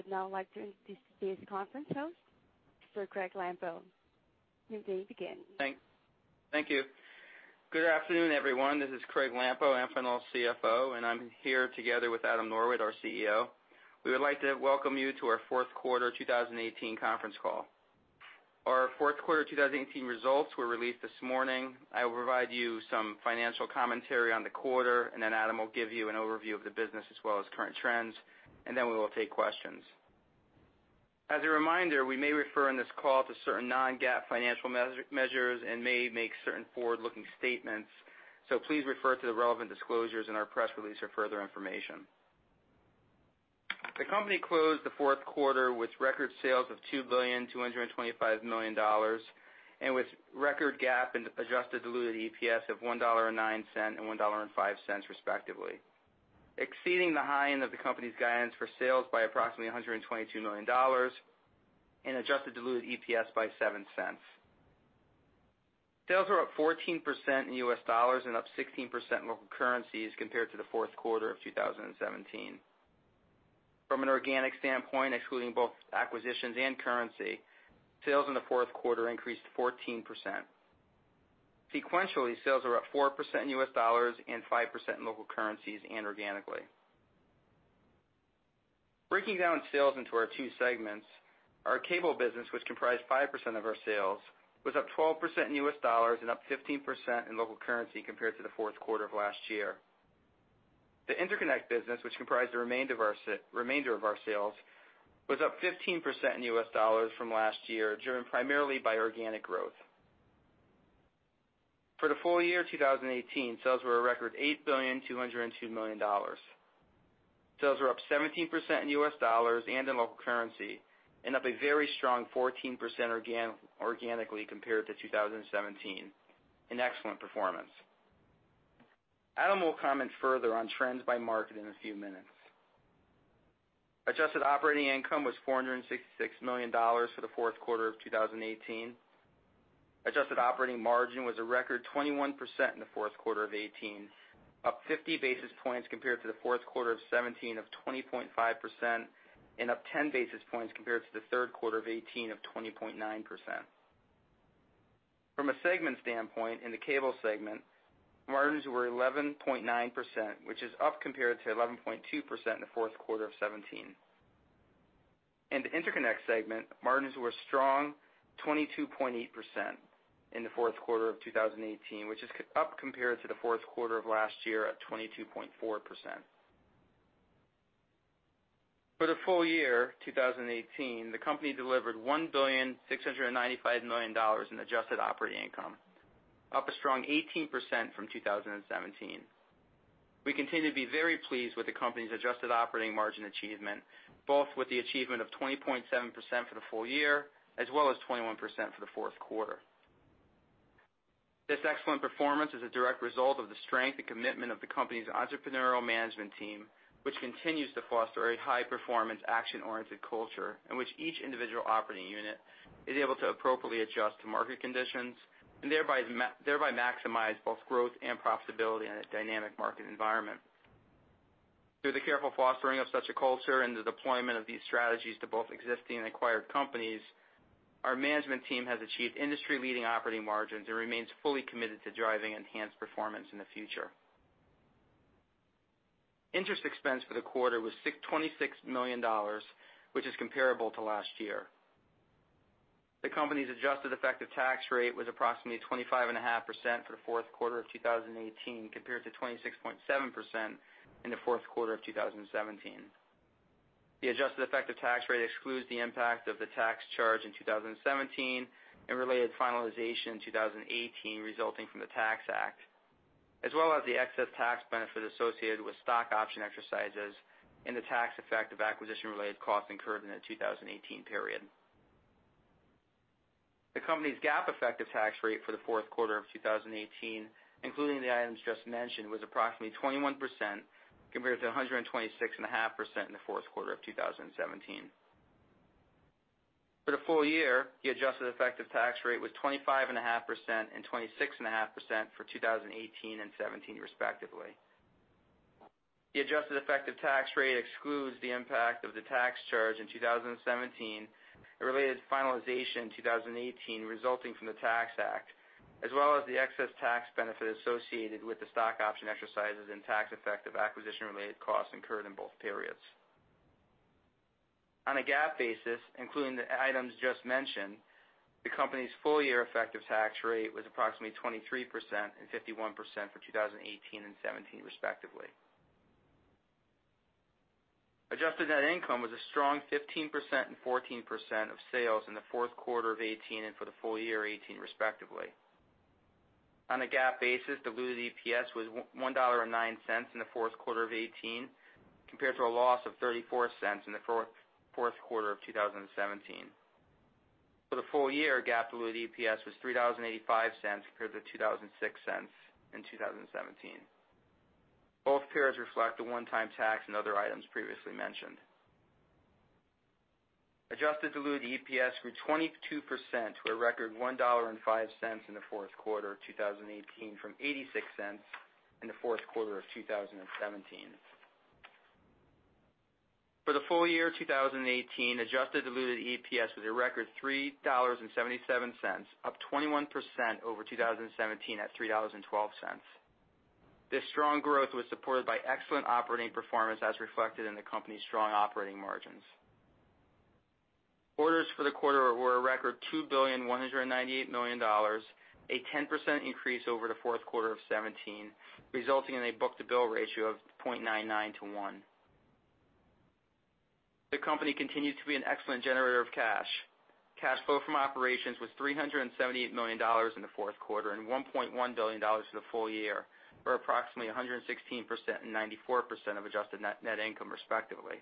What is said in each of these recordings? I would now like to introduce this conference call for Craig Lampo. You may begin. Thank you. Good afternoon, everyone. This is Craig Lampo, Amphenol's CFO, and I'm here together with Adam Norwitt, our CEO. We would like to welcome you to our fourth quarter 2018 conference call. Our fourth quarter 2018 results were released this morning. I will provide you some financial commentary on the quarter, and then Adam will give you an overview of the business as well as current trends, and then we will take questions. As a reminder, we may refer in this call to certain non-GAAP financial measures and may make certain forward-looking statements, so please refer to the relevant disclosures in our press release for further information. The company closed the fourth quarter with record sales of $2.225 billion, and with record GAAP and adjusted diluted EPS of $1.09 and $1.05, respectively, exceeding the high end of the company's guidance for sales by approximately $122 million and adjusted diluted EPS by $0.07. Sales were up 14% in U.S. dollars and up 16% in local currencies compared to the fourth quarter of 2017. From an organic standpoint, excluding both acquisitions and currency, sales in the fourth quarter increased 14%. Sequentially, sales are up 4% in U.S. dollars and 5% in local currencies and organically. Breaking down sales into our two segments, our cable business, which comprised 5% of our sales, was up 12% in U.S. dollars and up 15% in local currency compared to the fourth quarter of last year. The interconnect business, which comprised the remainder of our sales, was up 15% in U.S. dollars from last year, driven primarily by organic growth. For the full year 2018, sales were a record $8.202 billion. Sales were up 17% in U.S. dollars and in local currency, and up a very strong 14% organically compared to 2017. An excellent performance. Adam will comment further on trends by market in a few minutes. Adjusted operating income was $466 million for the fourth quarter of 2018. Adjusted operating margin was a record 21% in the fourth quarter of 2018, up 50 basis points compared to the fourth quarter of 2017, of 20.5%, and up 10 basis points compared to the third quarter of 2018 of 20.9%. From a segment standpoint, in the cable segment, margins were 11.9%, which is up compared to 11.2% in the fourth quarter of 2017. In the interconnect segment, margins were a strong 22.8% in the fourth quarter of 2018, which is up compared to the fourth quarter of last year at 22.4%. For the full year 2018, the company delivered $1.695 billion in adjusted operating income, up a strong 18% from 2017. We continue to be very pleased with the company's adjusted operating margin achievement, both with the achievement of 20.7% for the full year as well as 21% for the fourth quarter. This excellent performance is a direct result of the strength and commitment of the company's entrepreneurial management team, which continues to foster a high-performance, action-oriented culture in which each individual operating unit is able to appropriately adjust to market conditions and thereby maximize both growth and profitability in a dynamic market environment. Through the careful fostering of such a culture and the deployment of these strategies to both existing and acquired companies, our management team has achieved industry-leading operating margins and remains fully committed to driving enhanced performance in the future. Interest expense for the quarter was $26 million, which is comparable to last year. The company's adjusted effective tax rate was approximately 25.5% for the fourth quarter of 2018, compared to 26.7% in the fourth quarter of 2017. The adjusted effective tax rate excludes the impact of the tax charge in 2017 and related finalization in 2018 resulting from the Tax Act, as well as the excess tax benefit associated with stock option exercises and the tax effect of acquisition-related costs incurred in the 2018 period. The company's GAAP effective tax rate for the fourth quarter of 2018, including the items just mentioned, was approximately 21%, compared to 126.5% in the fourth quarter of 2017. For the full year, the adjusted effective tax rate was 25.5% and 26.5% for 2018 and 2017, respectively. The adjusted effective tax rate excludes the impact of the tax charge in 2017 and related finalization in 2018 resulting from the Tax Act, as well as the excess tax benefit associated with the stock option exercises and tax effect of acquisition-related costs incurred in both periods. On a GAAP basis, including the items just mentioned, the company's full-year effective tax rate was approximately 23% and 51% for 2018 and 2017, respectively. Adjusted net income was a strong 15% and 14% of sales in the fourth quarter of 2018 and for the full year 2018, respectively. On a GAAP basis, diluted EPS was $1.09 in the fourth quarter of 2018, compared to a loss of $0.34 in the fourth quarter of 2017. For the full year, GAAP diluted EPS was $3.85 compared to $2.06 in 2017. Both periods reflect a one-time tax and other items previously mentioned... Adjusted diluted EPS grew 22% to a record $1.05 in the fourth quarter of 2018, from $0.86 in the fourth quarter of 2017. For the full year 2018, adjusted diluted EPS was a record $3.77, up 21% over 2017 at $3.12. This strong growth was supported by excellent operating performance, as reflected in the company's strong operating margins. Orders for the quarter were a record $2.198 billion, a 10% increase over the fourth quarter of 2017, resulting in a book-to-bill ratio of 0.99 to 1. The company continued to be an excellent generator of cash. Cash flow from operations was $378 million in the fourth quarter, and $1.1 billion for the full year, or approximately 116% and 94% of adjusted net income, respectively.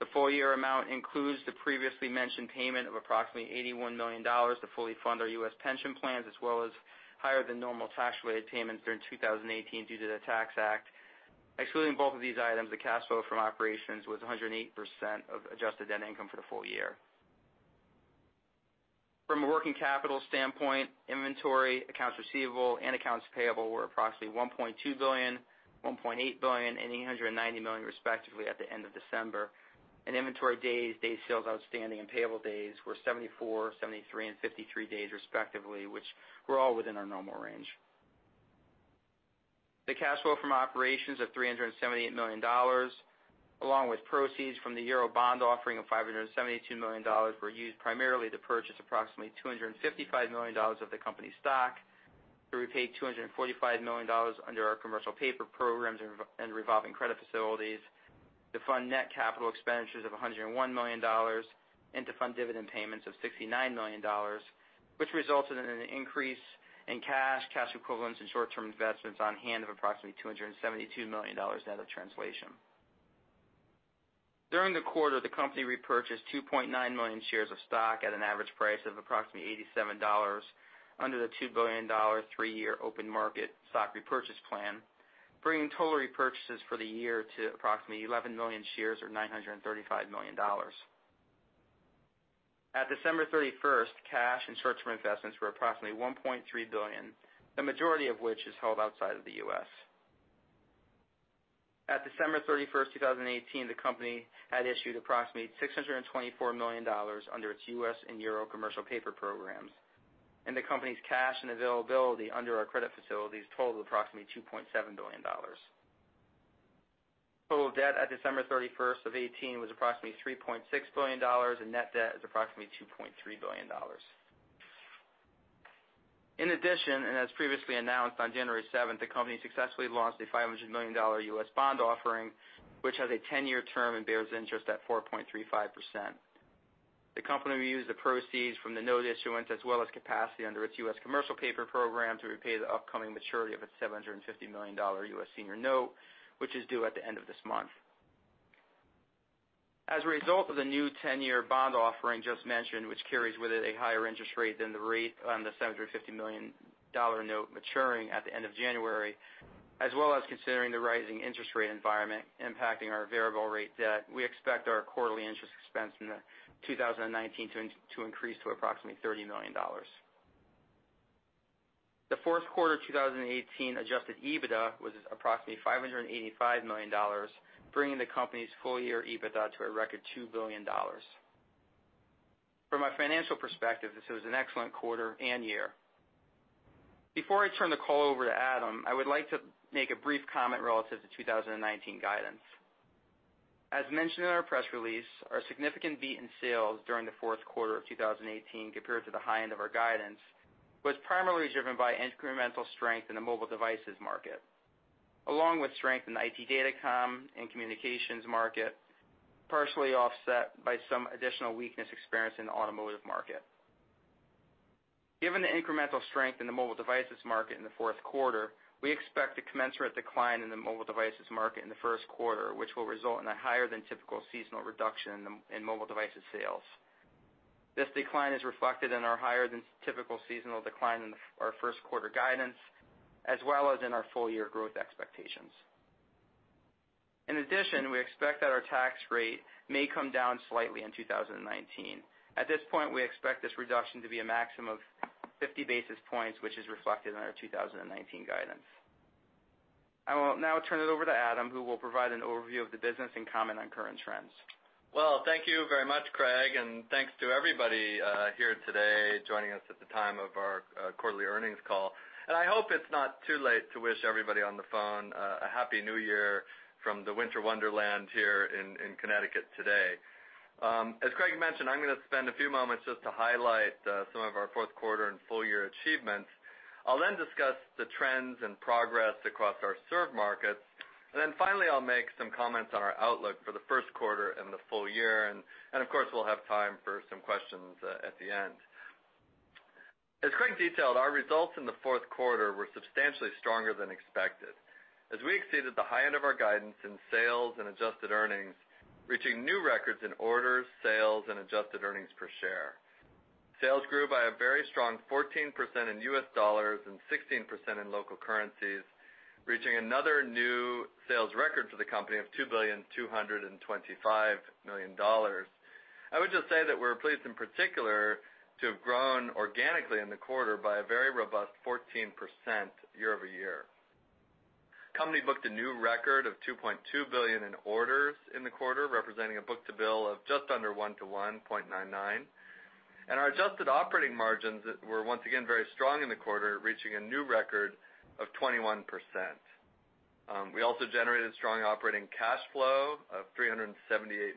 The full year amount includes the previously mentioned payment of approximately $81 million to fully fund our U.S. pension plans, as well as higher than normal tax-related payments during 2018 due to the Tax Act. Excluding both of these items, the cash flow from operations was 108% of adjusted net income for the full year. From a working capital standpoint, inventory, accounts receivable, and accounts payable were approximately $1.2 billion, $1.8 billion, and $890 million, respectively, at the end of December. Inventory days, day sales outstanding, and payable days were 74, 73, and 53 days, respectively, which were all within our normal range. The cash flow from operations of $378 million, along with proceeds from the Eurobond offering of $572 million, were used primarily to purchase approximately $255 million of the company's stock, to repay $245 million under our commercial paper programs and revolving credit facilities, to fund net capital expenditures of $101 million, and to fund dividend payments of $69 million, which resulted in an increase in cash, cash equivalents, and short-term investments on hand of approximately $272 million net of translation. During the quarter, the company repurchased 2.9 million shares of stock at an average price of approximately $87 under the $2 billion three-year open market stock repurchase plan, bringing total repurchases for the year to approximately 11 million shares, or $935 million. At December 31st, cash and short-term investments were approximately $1.3 billion, the majority of which is held outside of the U.S. At December 31st, 2018, the company had issued approximately $624 million under its U.S. and EUR commercial paper programs, and the company's cash and availability under our credit facilities totaled approximately $2.7 billion. Total debt at December 31st of 2018 was approximately $3.6 billion, and net debt is approximately $2.3 billion. In addition, and as previously announced on January seventh, the company successfully launched a $500 million U.S. bond offering, which has a 10-year term and bears interest at 4.35%. The company will use the proceeds from the note issuance, as well as capacity under its U.S. commercial paper program, to repay the upcoming maturity of its $750 million U.S. senior note, which is due at the end of this month. As a result of the new 10-year bond offering just mentioned, which carries with it a higher interest rate than the rate on the $750 million note maturing at the end of January, as well as considering the rising interest rate environment impacting our variable rate debt, we expect our quarterly interest expense in 2019 to increase to approximately $30 million. The fourth quarter 2018 adjusted EBITDA was approximately $585 million, bringing the company's full-year EBITDA to a record $2 billion. From a financial perspective, this was an excellent quarter and year. Before I turn the call over to Adam, I would like to make a brief comment relative to 2019 guidance. As mentioned in our press release, our significant beat in sales during the fourth quarter of 2018 compared to the high end of our guidance, was primarily driven by incremental strength in the mobile devices market, along with strength in the IT Datcom and communications market, partially offset by some additional weakness experienced in the automotive market. Given the incremental strength in the mobile devices market in the fourth quarter, we expect a commensurate decline in the mobile devices market in the first quarter, which will result in a higher than typical seasonal reduction in mobile devices sales. This decline is reflected in our higher than typical seasonal decline in our first quarter guidance, as well as in our full year growth expectations. In addition, we expect that our tax rate may come down slightly in 2019. At this point, we expect this reduction to be a maximum of 50 basis points, which is reflected in our 2019 guidance. I will now turn it over to Adam, who will provide an overview of the business and comment on current trends. Well, thank you very much, Craig, and thanks to everybody here today, joining us at the time of our quarterly earnings call. I hope it's not too late to wish everybody on the phone a Happy New Year from the winter wonderland here in Connecticut today. As Craig mentioned, I'm gonna spend a few moments just to highlight some of our fourth quarter and full year achievements. I'll then discuss the trends and progress across our served markets. And then finally, I'll make some comments on our outlook for the first quarter and the full year. And of course, we'll have time for some questions at the end. As Craig detailed, our results in the fourth quarter were substantially stronger than expected, as we exceeded the high end of our guidance in sales and adjusted earnings, reaching new records in orders, sales, and adjusted earnings per share. Sales grew by a very strong 14% in U.S. dollars and 16% in local currencies, reaching another new sales record for the company of $2.225 billion. I would just say that we're pleased, in particular, to have grown organically in the quarter by a very robust 14% year-over-year. Company booked a new record of $2.2 billion in orders in the quarter, representing a book-to-bill of just under 1 to 1, 0.99. And our adjusted operating margins were, once again, very strong in the quarter, reaching a new record of 21%. We also generated strong operating cash flow of $378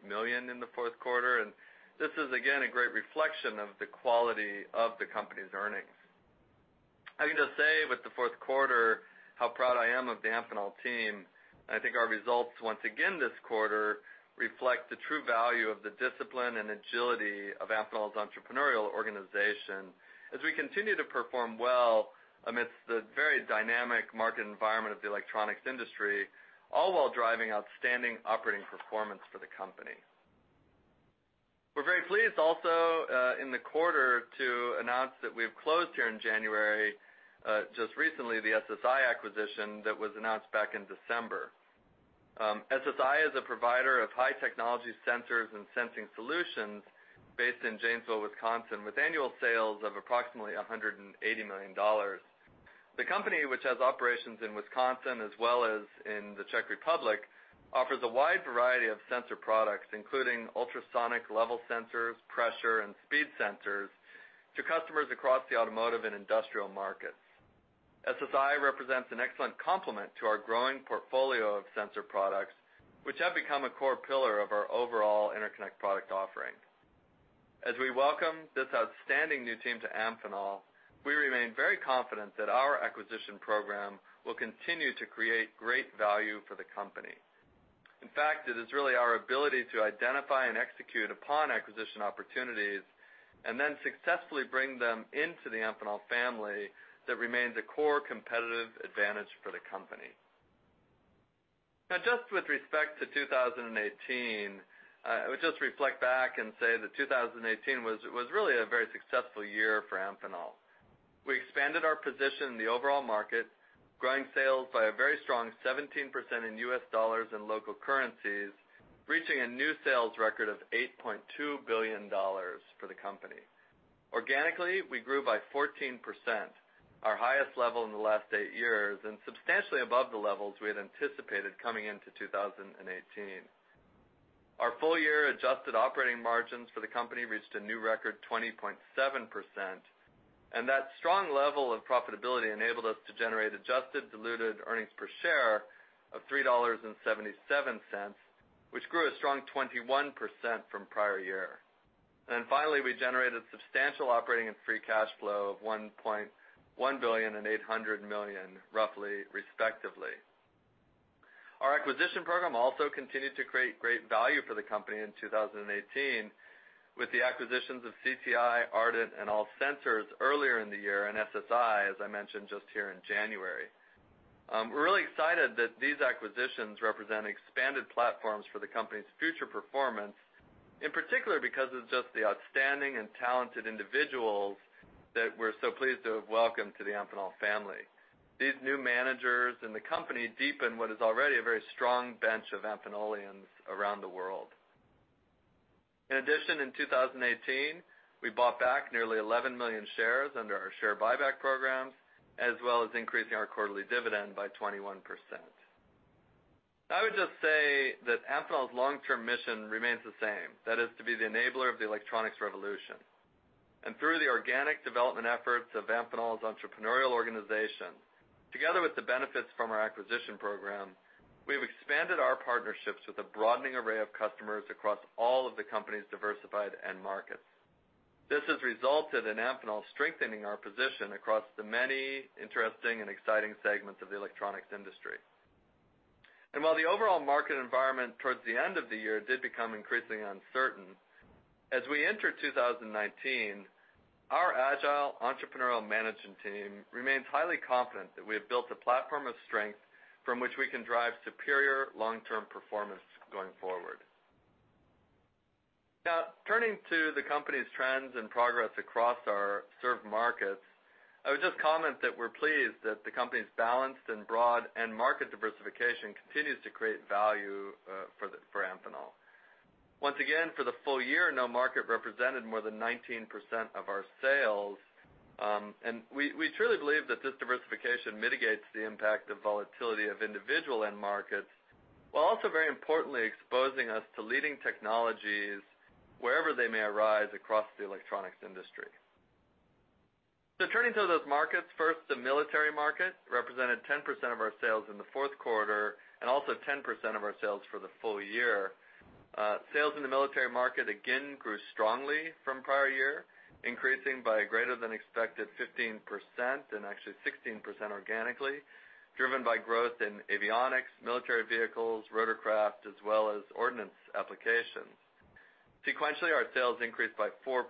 million in the fourth quarter, and this is, again, a great reflection of the quality of the company's earnings. I can just say with the fourth quarter, how proud I am of the Amphenol team. I think our results once again this quarter, reflect the true value of the discipline and agility of Amphenol's entrepreneurial organization, as we continue to perform well amidst the very dynamic market environment of the electronics industry, all while driving outstanding operating performance for the company. We're very pleased also, in the quarter to announce that we've closed here in January, just recently, the SSI acquisition that was announced back in December. SSI is a provider of high technology sensors and sensing solutions based in Janesville, Wisconsin, with annual sales of approximately $180 million. The company, which has operations in Wisconsin as well as in the Czech Republic, offers a wide variety of sensor products, including ultrasonic level sensors, pressure, and speed sensors to customers across the automotive and industrial markets. SSI represents an excellent complement to our growing portfolio of sensor products, which have become a core pillar of our overall interconnect product offering. As we welcome this outstanding new team to Amphenol, we remain very confident that our acquisition program will continue to create great value for the company. In fact, it is really our ability to identify and execute upon acquisition opportunities, and then successfully bring them into the Amphenol family, that remains a core competitive advantage for the company. Now, just with respect to 2018, I would just reflect back and say that 2018 was really a very successful year for Amphenol. We expanded our position in the overall market, growing sales by a very strong 17% in U.S. dollars and local currencies, reaching a new sales record of $8.2 billion for the company. Organically, we grew by 14%, our highest level in the last eight years, and substantially above the levels we had anticipated coming into 2018. Our full-year Adjusted Operating Margins for the company reached a new record, 20.7%, and that strong level of profitability enabled us to generate Adjusted Diluted Earnings per Share of $3.77, which grew a strong 21% from prior year. And then finally, we generated substantial operating and free cash flow of $1.1 billion and $800 million, roughly, respectively. Our acquisition program also continued to create great value for the company in 2018, with the acquisitions of CTI, Ardent, and All Sensors earlier in the year, and SSI, as I mentioned, just here in January. We're really excited that these acquisitions represent expanded platforms for the company's future performance, in particular, because of just the outstanding and talented individuals that we're so pleased to have welcomed to the Amphenol family. These new managers in the company deepen what is already a very strong bench of Amphenolians around the world. In addition, in 2018, we bought back nearly 11 million shares under our share buyback program, as well as increasing our quarterly dividend by 21%. I would just say that Amphenol's long-term mission remains the same. That is to be the enabler of the electronics revolution. And through the organic development efforts of Amphenol's entrepreneurial organization, together with the benefits from our acquisition program, we have expanded our partnerships with a broadening array of customers across all of the company's diversified end markets. This has resulted in Amphenol strengthening our position across the many interesting and exciting segments of the electronics industry. And while the overall market environment towards the end of the year did become increasingly uncertain, as we enter 2019, our agile, entrepreneurial management team remains highly confident that we have built a platform of strength from which we can drive superior long-term performance going forward. Now, turning to the company's trends and progress across our served markets, I would just comment that we're pleased that the company's balanced and broad end market diversification continues to create value, for Amphenol. Once again, for the full year, no market represented more than 19% of our sales, and we truly believe that this diversification mitigates the impact of volatility of individual end markets, while also very importantly exposing us to leading technologies wherever they may arise across the electronics industry. So turning to those markets, first, the military market represented 10% of our sales in the fourth quarter and also 10% of our sales for the full year. Sales in the military market again grew strongly from prior year, increasing by a greater than expected 15%, and actually 16% organically, driven by growth in avionics, military vehicles, rotorcraft, as well as ordnance applications. Sequentially, our sales increased by 4%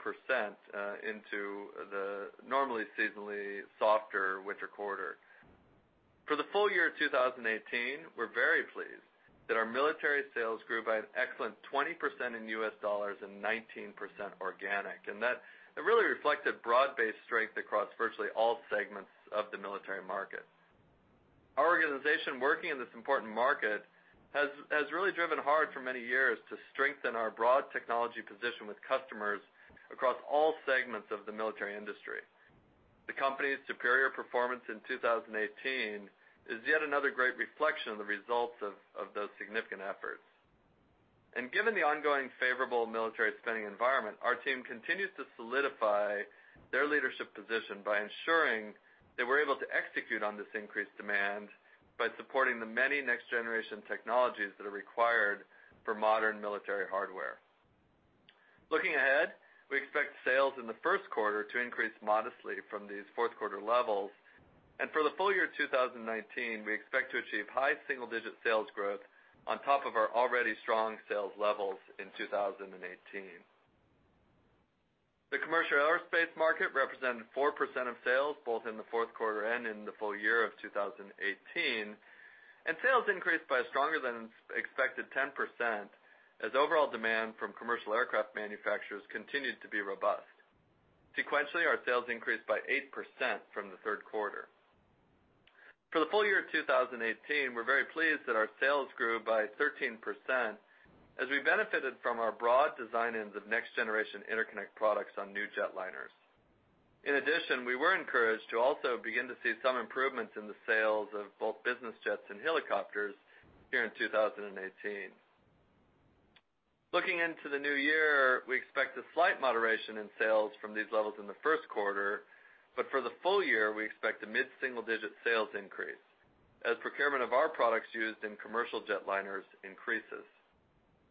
into the normally seasonally softer winter quarter. For the full year 2018, we're very pleased that our military sales grew by an excellent 20% in U.S. dollars and 19% organic, and that really reflected broad-based strength across virtually all segments of the military market. Our organization working in this important market has really driven hard for many years to strengthen our broad technology position with customers across all segments of the military industry. The company's superior performance in 2018 is yet another great reflection of the results of those significant efforts. Given the ongoing favorable military spending environment, our team continues to solidify their leadership position by ensuring that we're able to execute on this increased demand by supporting the many next-generation technologies that are required for modern military hardware. Looking ahead, we expect sales in the first quarter to increase modestly from these fourth quarter levels. For the full year 2019, we expect to achieve high single-digit sales growth on top of our already strong sales levels in 2018. The commercial aerospace market represented 4% of sales, both in the fourth quarter and in the full year of 2018, and sales increased by a stronger than expected 10%, as overall demand from commercial aircraft manufacturers continued to be robust. Sequentially, our sales increased by 8% from the third quarter. For the full year 2018, we're very pleased that our sales grew by 13%, as we benefited from our broad design-ins of next-generation interconnect products on new jetliners. In addition, we were encouraged to also begin to see some improvements in the sales of both business jets and helicopters here in 2018. Looking into the new year, we expect a slight moderation in sales from these levels in the first quarter, but for the full year, we expect a mid-single-digit sales increase, as procurement of our products used in commercial jetliners increases.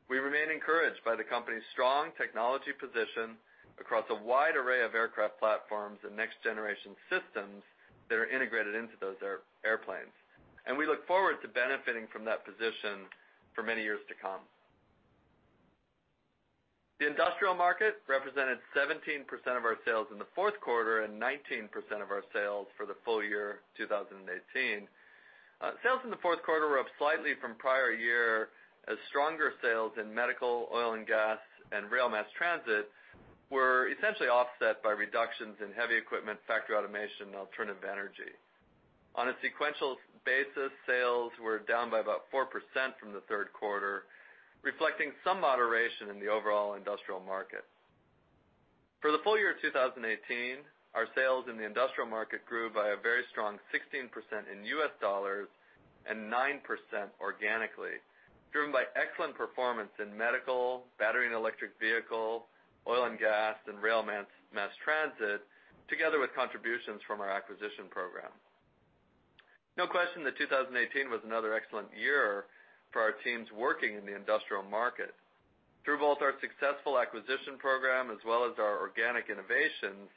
We remain encouraged by the company's strong technology position across a wide array of aircraft platforms and next-generation systems that are integrated into those airplanes, and we look forward to benefiting from that position for many years to come. The industrial market represented 17% of our sales in the fourth quarter and 19% of our sales for the full year 2018. Sales in the fourth quarter were up slightly from prior year, as stronger sales in medical, oil and gas, and rail mass transit were essentially offset by reductions in heavy equipment, factory automation, and alternative energy. On a sequential basis, sales were down by about 4% from the third quarter, reflecting some moderation in the overall industrial market. For the full year 2018, our sales in the industrial market grew by a very strong 16% in U.S. dollars and 9% organically, driven by excellent performance in medical, battery and electric vehicle, oil and gas, and rail mass transit, together with contributions from our acquisition program. No question that 2018 was another excellent year for our teams working in the industrial market. Through both our successful acquisition program as well as our organic innovations,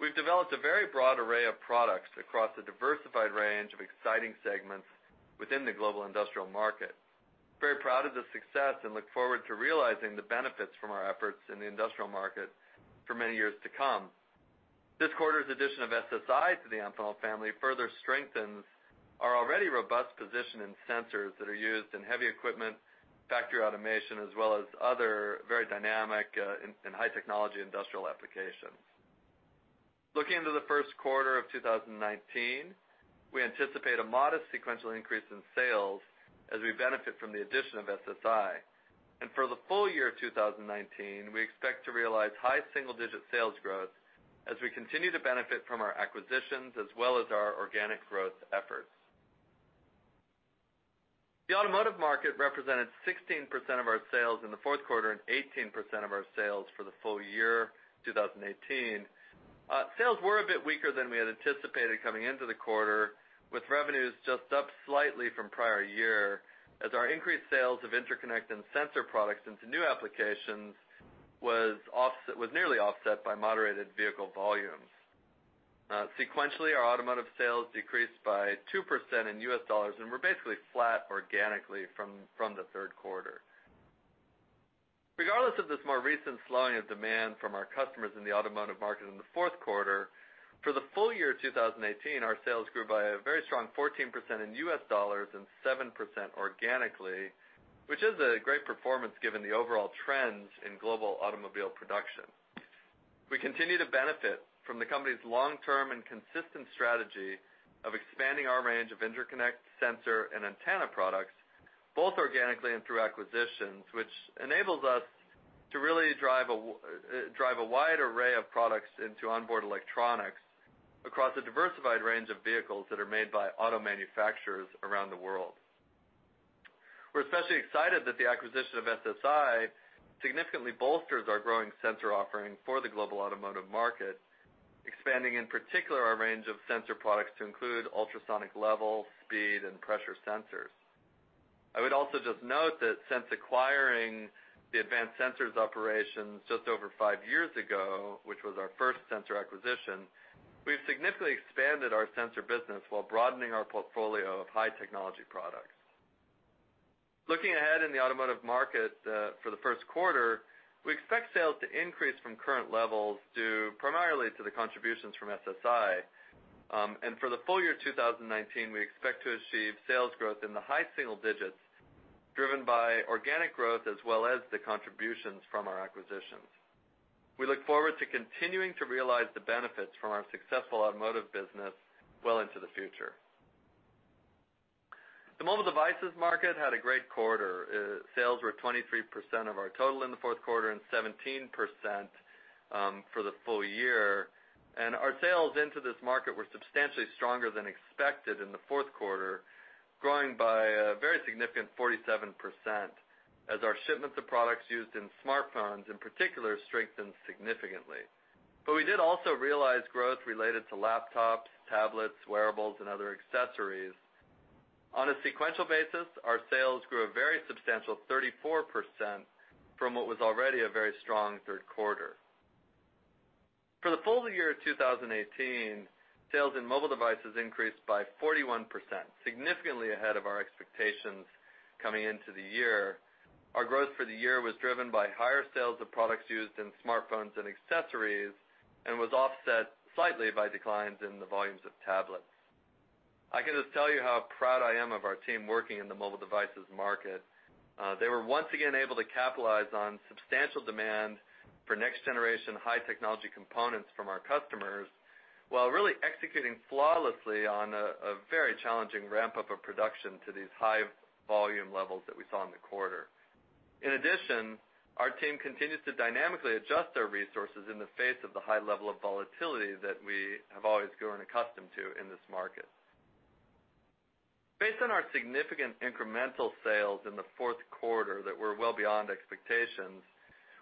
we've developed a very broad array of products across a diversified range of exciting segments within the global industrial market. Very proud of this success and look forward to realizing the benefits from our efforts in the industrial market for many years to come. This quarter's addition of SSI to the Amphenol family further strengthens our already robust position in sensors that are used in heavy equipment, factory automation, as well as other very dynamic in high-technology industrial applications. Looking into the first quarter of 2019, we anticipate a modest sequential increase in sales as we benefit from the addition of SSI. For the full year 2019, we expect to realize high single-digit sales growth as we continue to benefit from our acquisitions, as well as our organic growth efforts. The automotive market represented 16% of our sales in the fourth quarter and 18% of our sales for the full year 2018. Sales were a bit weaker than we had anticipated coming into the quarter, with revenues just up slightly from prior year, as our increased sales of interconnect and sensor products into new applications was offset - was nearly offset by moderated vehicle volumes. Sequentially, our automotive sales decreased by 2% in U.S. dollars and were basically flat organically from the third quarter. Regardless of this more recent slowing of demand from our customers in the automotive market in the fourth quarter, for the full year 2018, our sales grew by a very strong 14% in U.S. dollars and 7% organically, which is a great performance given the overall trends in global automobile production. We continue to benefit from the company's long-term and consistent strategy of expanding our range of interconnect, sensor, and antenna products, both organically and through acquisitions, which enables us to really drive a wide array of products into onboard electronics across a diversified range of vehicles that are made by auto manufacturers around the world. We're especially excited that the acquisition of SSI significantly bolsters our growing sensor offering for the global automotive market, expanding, in particular, our range of sensor products to include ultrasonic level, speed, and pressure sensors. I would also just note that since acquiring the Advanced Sensors operations just over five years ago, which was our first sensor acquisition, we've significantly expanded our sensor business while broadening our portfolio of high-technology products. Looking ahead in the automotive market, for the first quarter, we expect sales to increase from current levels due primarily to the contributions from SSI. And for the full year 2019, we expect to achieve sales growth in the high single digits, driven by organic growth as well as the contributions from our acquisitions. We look forward to continuing to realize the benefits from our successful automotive business well into the future. The mobile devices market had a great quarter. Sales were 23% of our total in the fourth quarter and 17% for the full year. And our sales into this market were substantially stronger than expected in the fourth quarter, growing by a very significant 47% as our shipments of products used in smartphones, in particular, strengthened significantly. But we did also realize growth related to laptops, tablets, wearables, and other accessories. On a sequential basis, our sales grew a very substantial 34% from what was already a very strong third quarter. For the full year 2018, sales in mobile devices increased by 41%, significantly ahead of our expectations coming into the year. Our growth for the year was driven by higher sales of products used in smartphones and accessories, and was offset slightly by declines in the volumes of tablets. I can just tell you how proud I am of our team working in the mobile devices market. They were once again able to capitalize on substantial demand for next-generation, high-technology components from our customers, while really executing flawlessly on a very challenging ramp-up of production to these high volume levels that we saw in the quarter. In addition, our team continues to dynamically adjust their resources in the face of the high level of volatility that we have always grown accustomed to in this market. Based on our significant incremental sales in the fourth quarter that were well beyond expectations,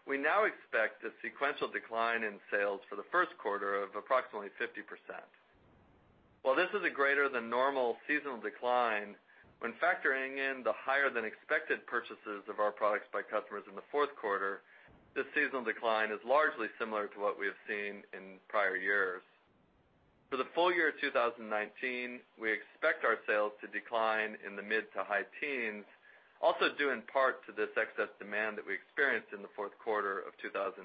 we now expect a sequential decline in sales for the first quarter of approximately 50%. While this is a greater than normal seasonal decline, when factoring in the higher than expected purchases of our products by customers in the fourth quarter, this seasonal decline is largely similar to what we have seen in prior years. For the full year 2019, we expect our sales to decline in the mid- to high teens, also due in part to this excess demand that we experienced in the fourth quarter of 2018.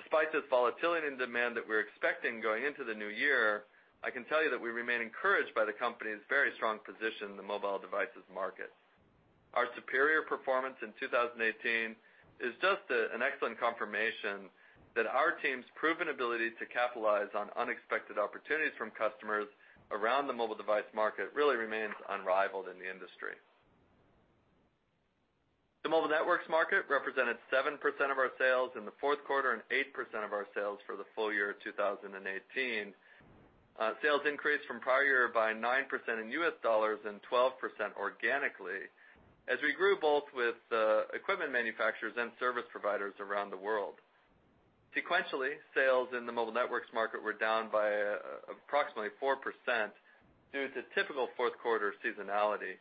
Despite this volatility in demand that we're expecting going into the new year, I can tell you that we remain encouraged by the company's very strong position in the mobile devices market. Our superior performance in 2018 is just an excellent confirmation that our team's proven ability to capitalize on unexpected opportunities from customers around the mobile device market really remains unrivaled in the industry. The mobile networks market represented 7% of our sales in the fourth quarter and 8% of our sales for the full year 2018. Sales increased from prior year by 9% in U.S. dollars and 12% organically, as we grew both with equipment manufacturers and service providers around the world. Sequentially, sales in the mobile networks market were down by approximately 4% due to typical fourth quarter seasonality.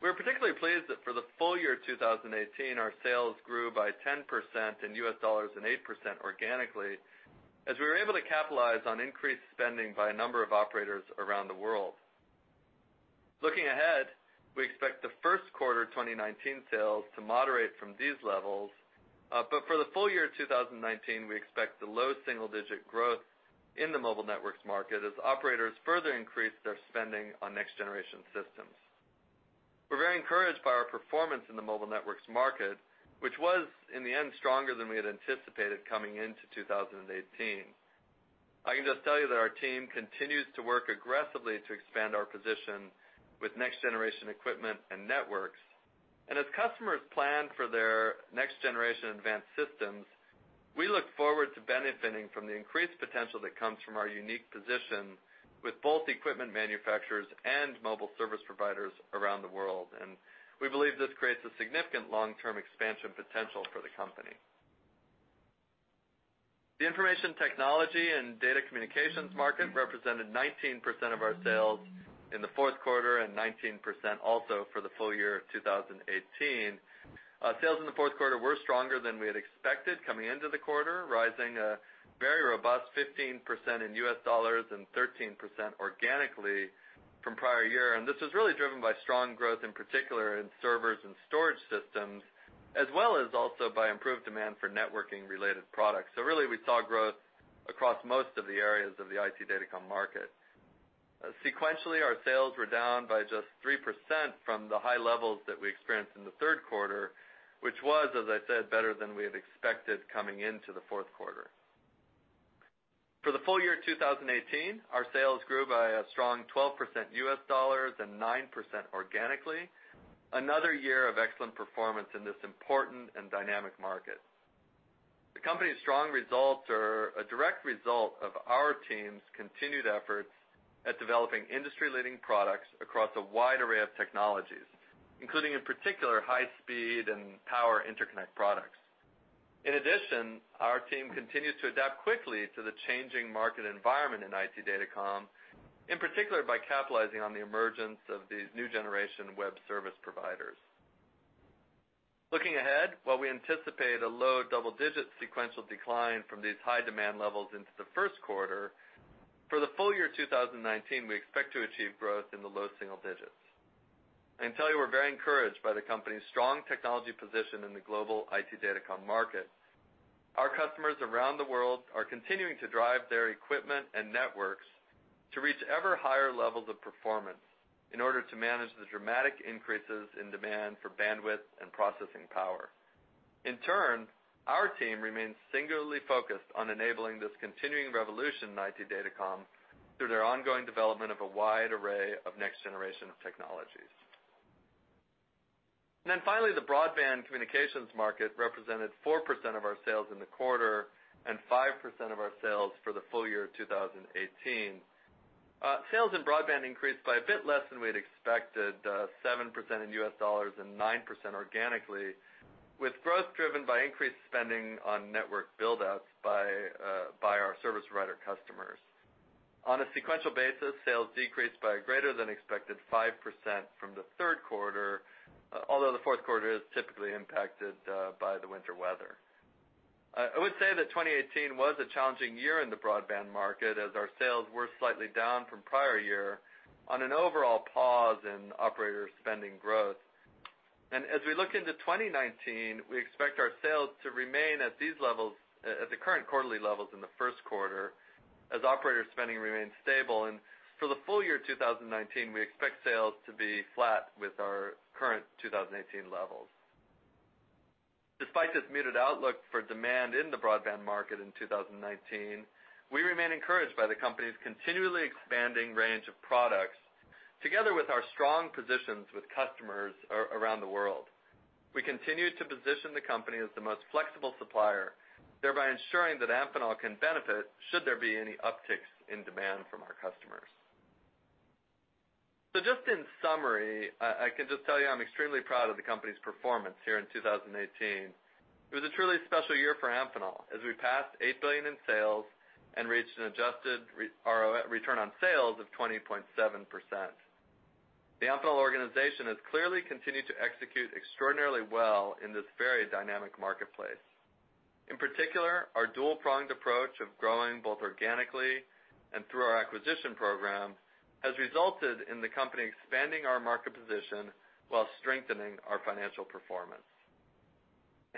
We're particularly pleased that for the full year 2018, our sales grew by 10% in U.S. dollars and 8% organically, as we were able to capitalize on increased spending by a number of operators around the world. Looking ahead, we expect the first quarter 2019 sales to moderate from these levels, but for the full year 2019, we expect the low single digit growth in the mobile networks market as operators further increase their spending on next-generation systems. We're very encouraged by our performance in the mobile networks market, which was, in the end, stronger than we had anticipated coming into 2018. I can just tell you that our team continues to work aggressively to expand our position with next-generation equipment and networks. As customers plan for their next-generation advanced systems, we look forward to benefiting from the increased potential that comes from our unique position with both equipment manufacturers and mobile service providers around the world, and we believe this creates a significant long-term expansion potential for the company. The information technology and data communications market represented 19% of our sales in the fourth quarter and 19% also for the full year of 2018. Sales in the fourth quarter were stronger than we had expected coming into the quarter, rising a very robust 15% in U.S. dollars and 13% organically from prior year. This was really driven by strong growth, in particular, in servers and storage systems, as well as also by improved demand for networking-related products. Really, we saw growth across most of the areas of the IT Datacom market. Sequentially, our sales were down by just 3% from the high levels that we experienced in the third quarter, which was, as I said, better than we had expected coming into the fourth quarter. For the full year 2018, our sales grew by a strong 12% U.S. dollars and 9% organically, another year of excellent performance in this important and dynamic market. The company's strong results are a direct result of our team's continued efforts at developing industry-leading products across a wide array of technologies, including, in particular, high-speed and power interconnect products. In addition, our team continues to adapt quickly to the changing market environment in IT Datacom, in particular, by capitalizing on the emergence of these new generation web service providers. Looking ahead, while we anticipate a low double-digit sequential decline from these high demand levels into the first quarter, for the full year 2019, we expect to achieve growth in the low single digits. I can tell you we're very encouraged by the company's strong technology position in the global IT Datacom market. Our customers around the world are continuing to drive their equipment and networks to reach ever higher levels of performance in order to manage the dramatic increases in demand for bandwidth and processing power. In turn, our team remains singularly focused on enabling this continuing revolution in IT Datacom through their ongoing development of a wide array of next-generation technologies. And then finally, the broadband communications market represented 4% of our sales in the quarter and 5% of our sales for the full year of 2018. Sales in broadband increased by a bit less than we had expected, 7% in U.S. dollars and 9% organically, with growth driven by increased spending on network build-outs by our service provider customers. On a sequential basis, sales decreased by a greater than expected 5% from the third quarter, although the fourth quarter is typically impacted by the winter weather. I would say that 2018 was a challenging year in the broadband market, as our sales were slightly down from prior year on an overall pause in operator spending growth. As we look into 2019, we expect our sales to remain at these levels, at the current quarterly levels in the first quarter, as operator spending remains stable. For the full year 2019, we expect sales to be flat with our current 2018 levels. Despite this muted outlook for demand in the broadband market in 2019, we remain encouraged by the company's continually expanding range of products, together with our strong positions with customers around the world. We continue to position the company as the most flexible supplier, thereby ensuring that Amphenol can benefit should there be any upticks in demand from our customers. So just in summary, I can just tell you, I'm extremely proud of the company's performance here in 2018. It was a truly special year for Amphenol, as we passed $8 billion in sales and reached an adjusted return on sales of 20.7%. The Amphenol organization has clearly continued to execute extraordinarily well in this very dynamic marketplace. In particular, our dual-pronged approach of growing both organically and through our acquisition program has resulted in the company expanding our market position while strengthening our financial performance.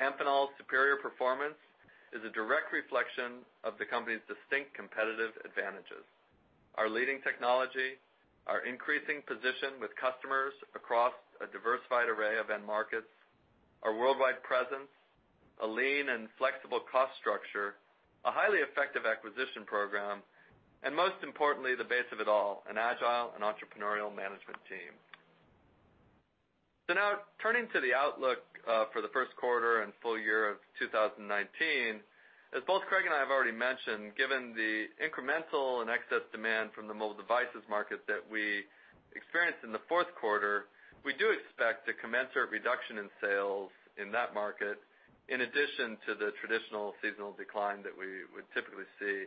Amphenol's superior performance is a direct reflection of the company's distinct competitive advantages, our leading technology, our increasing position with customers across a diversified array of end markets, our worldwide presence, a lean and flexible cost structure, a highly effective acquisition program, and most importantly, the base of it all, an agile and entrepreneurial management team. Now, turning to the outlook for the first quarter and full year of 2019, as both Craig and I have already mentioned, given the incremental and excess demand from the mobile devices market that we experienced in the fourth quarter, we do expect a commensurate reduction in sales in that market, in addition to the traditional seasonal decline that we would typically see.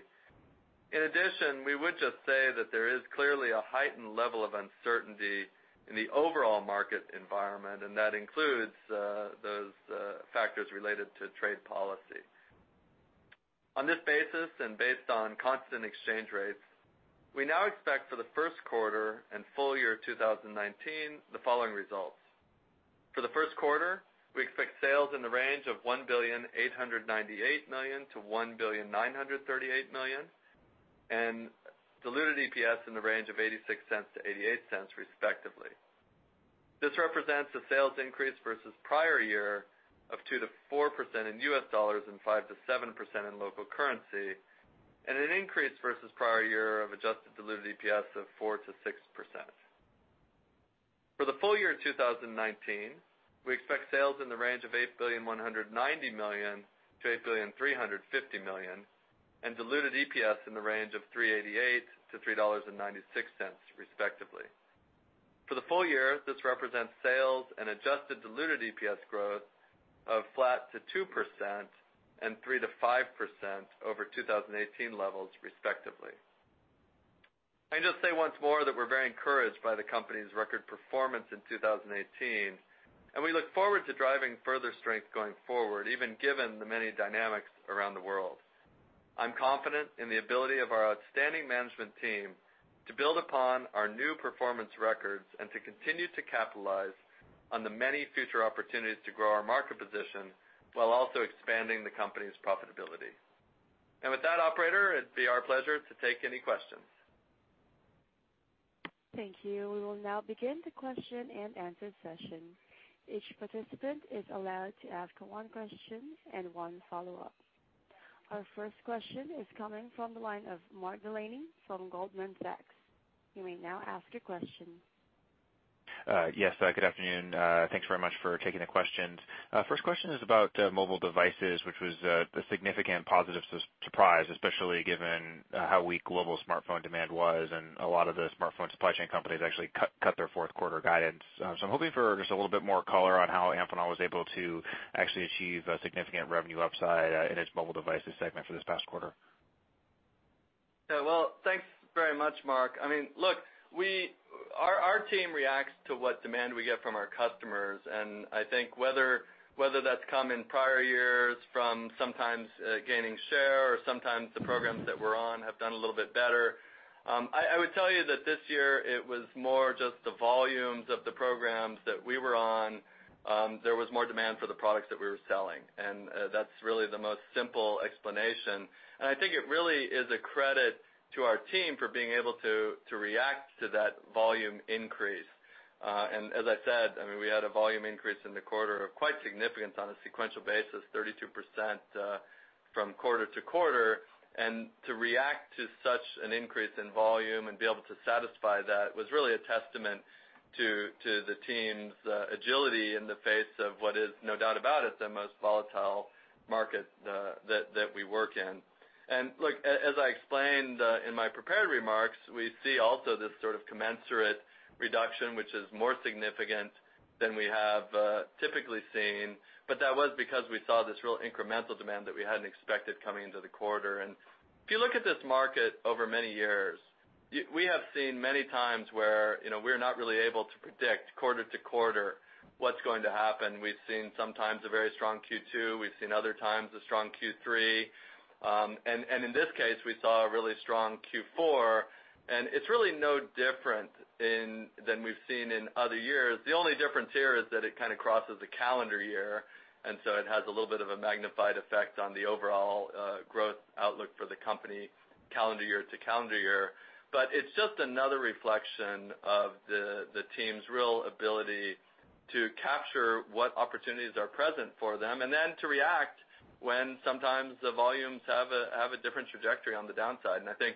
In addition, we would just say that there is clearly a heightened level of uncertainty in the overall market environment, and that includes those factors related to trade policy. On this basis, and based on constant exchange rates, we now expect for the first quarter and full year 2019, the following results. For the first quarter, we expect sales in the range of $1.898 billion-$1.938 billion, and diluted EPS in the range of $0.86-$0.88, respectively. This represents a sales increase versus prior year of 2%-4% in U.S. dollars and 5%-7% in local currency, and an increase versus prior year of adjusted diluted EPS of 4%-6%. For the full year 2019, we expect sales in the range of $8.190 billion-$8.350 billion, and diluted EPS in the range of $3.88-$3.96, respectively. For the full year, this represents sales and Adjusted Diluted EPS growth of flat to 2% and 3%-5% over 2018 levels, respectively. I can just say once more that we're very encouraged by the company's record performance in 2018, and we look forward to driving further strength going forward, even given the many dynamics around the world. I'm confident in the ability of our outstanding management team to build upon our new performance records and to continue to capitalize on the many future opportunities to grow our market position while also expanding the company's profitability. And with that, operator, it'd be our pleasure to take any questions. Thank you. We will now begin the question-and-answer session. Each participant is allowed to ask one question and one follow-up. Our first question is coming from the line of Mark Delaney from Goldman Sachs. You may now ask your question. Yes, good afternoon. Thanks very much for taking the questions. First question is about mobile devices, which was a significant positive surprise, especially given how weak global smartphone demand was, and a lot of the smartphone supply chain companies actually cut their fourth quarter guidance. So I'm hoping for just a little bit more color on how Amphenol was able to actually achieve a significant revenue upside in its mobile devices segment for this past quarter?... Yeah, well, thanks very much, Mark. I mean, look, our team reacts to what demand we get from our customers, and I think whether that's come in prior years from sometimes gaining share or sometimes the programs that we're on have done a little bit better. I would tell you that this year it was more just the volumes of the programs that we were on, there was more demand for the products that we were selling, and that's really the most simple explanation. And I think it really is a credit to our team for being able to react to that volume increase. And as I said, I mean, we had a volume increase in the quarter of quite significant on a sequential basis, 32%, from quarter-to-quarter. And to react to such an increase in volume and be able to satisfy that was really a testament to, to the team's agility in the face of what is, no doubt about it, the most volatile market that we work in. And look, as I explained in my prepared remarks, we see also this sort of commensurate reduction, which is more significant than we have typically seen, but that was because we saw this real incremental demand that we hadn't expected coming into the quarter. And if you look at this market over many years, we have seen many times where, you know, we're not really able to predict quarter-to-quarter. what's going to happen. We've seen sometimes a very strong Q2, we've seen other times a strong Q3, and in this case, we saw a really strong Q4, and it's really no different than we've seen in other years. The only difference here is that it kind of crosses the calendar year, and so it has a little bit of a magnified effect on the overall growth outlook for the company, calendar year to calendar year. But it's just another reflection of the team's real ability to capture what opportunities are present for them, and then to react when sometimes the volumes have a different trajectory on the downside. I think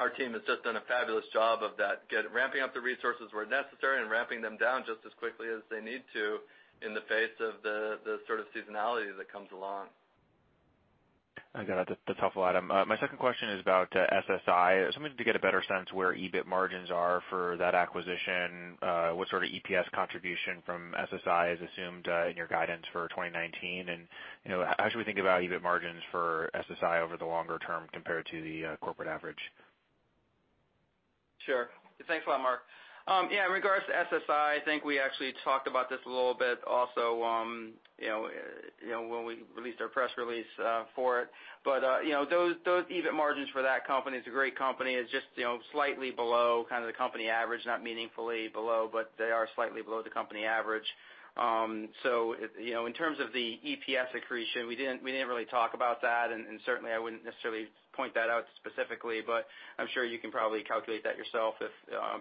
our team has just done a fabulous job of that, ramping up the resources where necessary and ramping them down just as quickly as they need to in the face of the sort of seasonality that comes along. I got it. That's helpful, Adam. My second question is about SSI. I was wondering if you could get a better sense of where EBIT margins are for that acquisition, what sort of EPS contribution from SSI is assumed, in your guidance for 2019? And, you know, how should we think about EBIT margins for SSI over the longer term compared to the corporate average? Sure. Thanks a lot, Mark. Yeah, in regards to SSI, I think we actually talked about this a little bit also, you know, when we released our press release, for it. But, you know, those, those EBIT margins for that company, it's a great company, it's just, you know, slightly below kind of the company average, not meaningfully below, but they are slightly below the company average. So, you know, in terms of the EPS accretion, we didn't, we didn't really talk about that, and, and certainly I wouldn't necessarily point that out specifically, but I'm sure you can probably calculate that yourself if,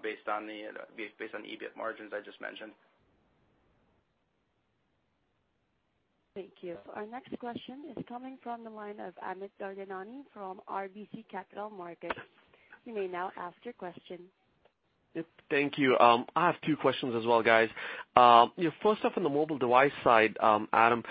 based on the, based on the EBIT margins I just mentioned. Thank you. Our next question is coming from the line of Amit Daryanani from RBC Capital Markets. You may now ask your question. Yep. Thank you. I have two questions as well, guys. First off, on the mobile device side, Adam,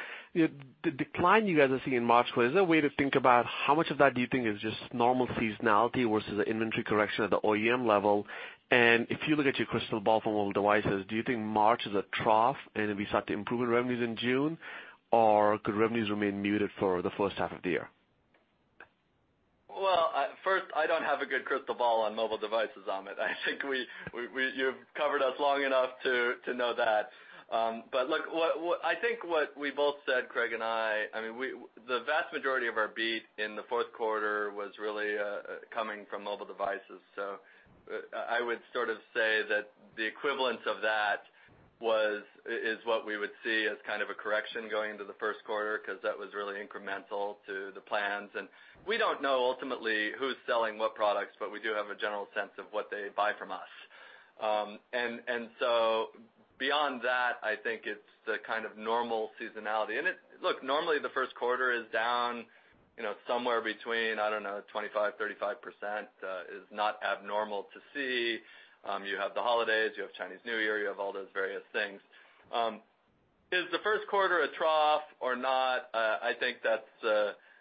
the decline you guys are seeing in March, is there a way to think about how much of that do you think is just normal seasonality versus an inventory correction at the OEM level? And if you look at your crystal ball for mobile devices, do you think March is a trough and we start to improve in revenues in June, or could revenues remain muted for the first half of the year? Well, first, I don't have a good crystal ball on mobile devices, Amit. I think we you've covered us long enough to know that. But look, what I think what we both said, Craig and I, I mean, the vast majority of our beat in the fourth quarter was really coming from mobile devices. So I would sort of say that the equivalent of that is what we would see as kind of a correction going into the first quarter, 'cause that was really incremental to the plans. And we don't know ultimately who's selling what products, but we do have a general sense of what they buy from us. And so beyond that, I think it's the kind of normal seasonality. And it... Look, normally the first quarter is down, you know, somewhere between, I don't know, 25%-35% is not abnormal to see. You have the holidays, you have Chinese New Year, you have all those various things. Is the first quarter a trough or not? I think that's,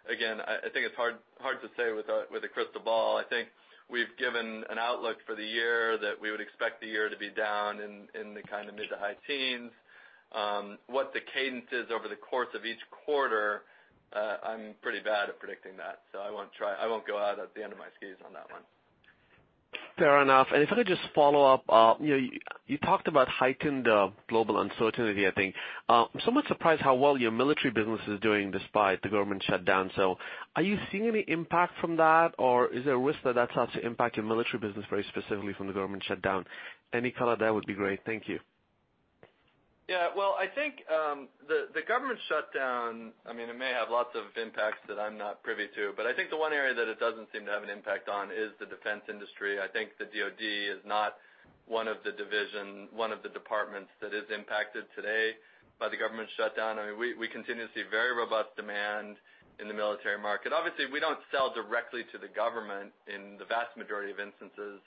again, I think it's hard to say with a crystal ball. I think we've given an outlook for the year that we would expect the year to be down in the kind of mid- to high-teens. What the cadence is over the course of each quarter, I'm pretty bad at predicting that, so I won't try. I won't go out at the end of my skis on that one. Fair enough. If I could just follow up, you know, you talked about heightened global uncertainty, I think. I'm somewhat surprised how well your military business is doing despite the government shutdown. So are you seeing any impact from that, or is there a risk that that starts to impact your military business very specifically from the government shutdown? Any color there would be great. Thank you. Yeah, well, I think, the government shutdown, I mean, it may have lots of impacts that I'm not privy to, but I think the one area that it doesn't seem to have an impact on is the defense industry. I think the DOD is not one of the departments that is impacted today by the government shutdown. I mean, we continue to see very robust demand in the military market. Obviously, we don't sell directly to the government in the vast majority of instances.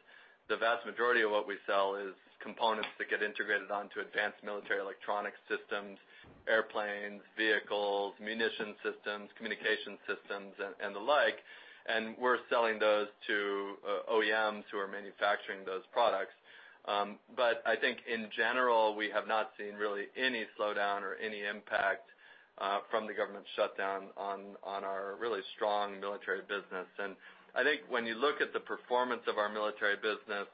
The vast majority of what we sell is components that get integrated onto advanced military electronic systems, airplanes, vehicles, munition systems, communication systems, and the like, and we're selling those to OEMs who are manufacturing those products. But I think in general, we have not seen really any slowdown or any impact from the government shutdown on our really strong military business. And I think when you look at the performance of our military business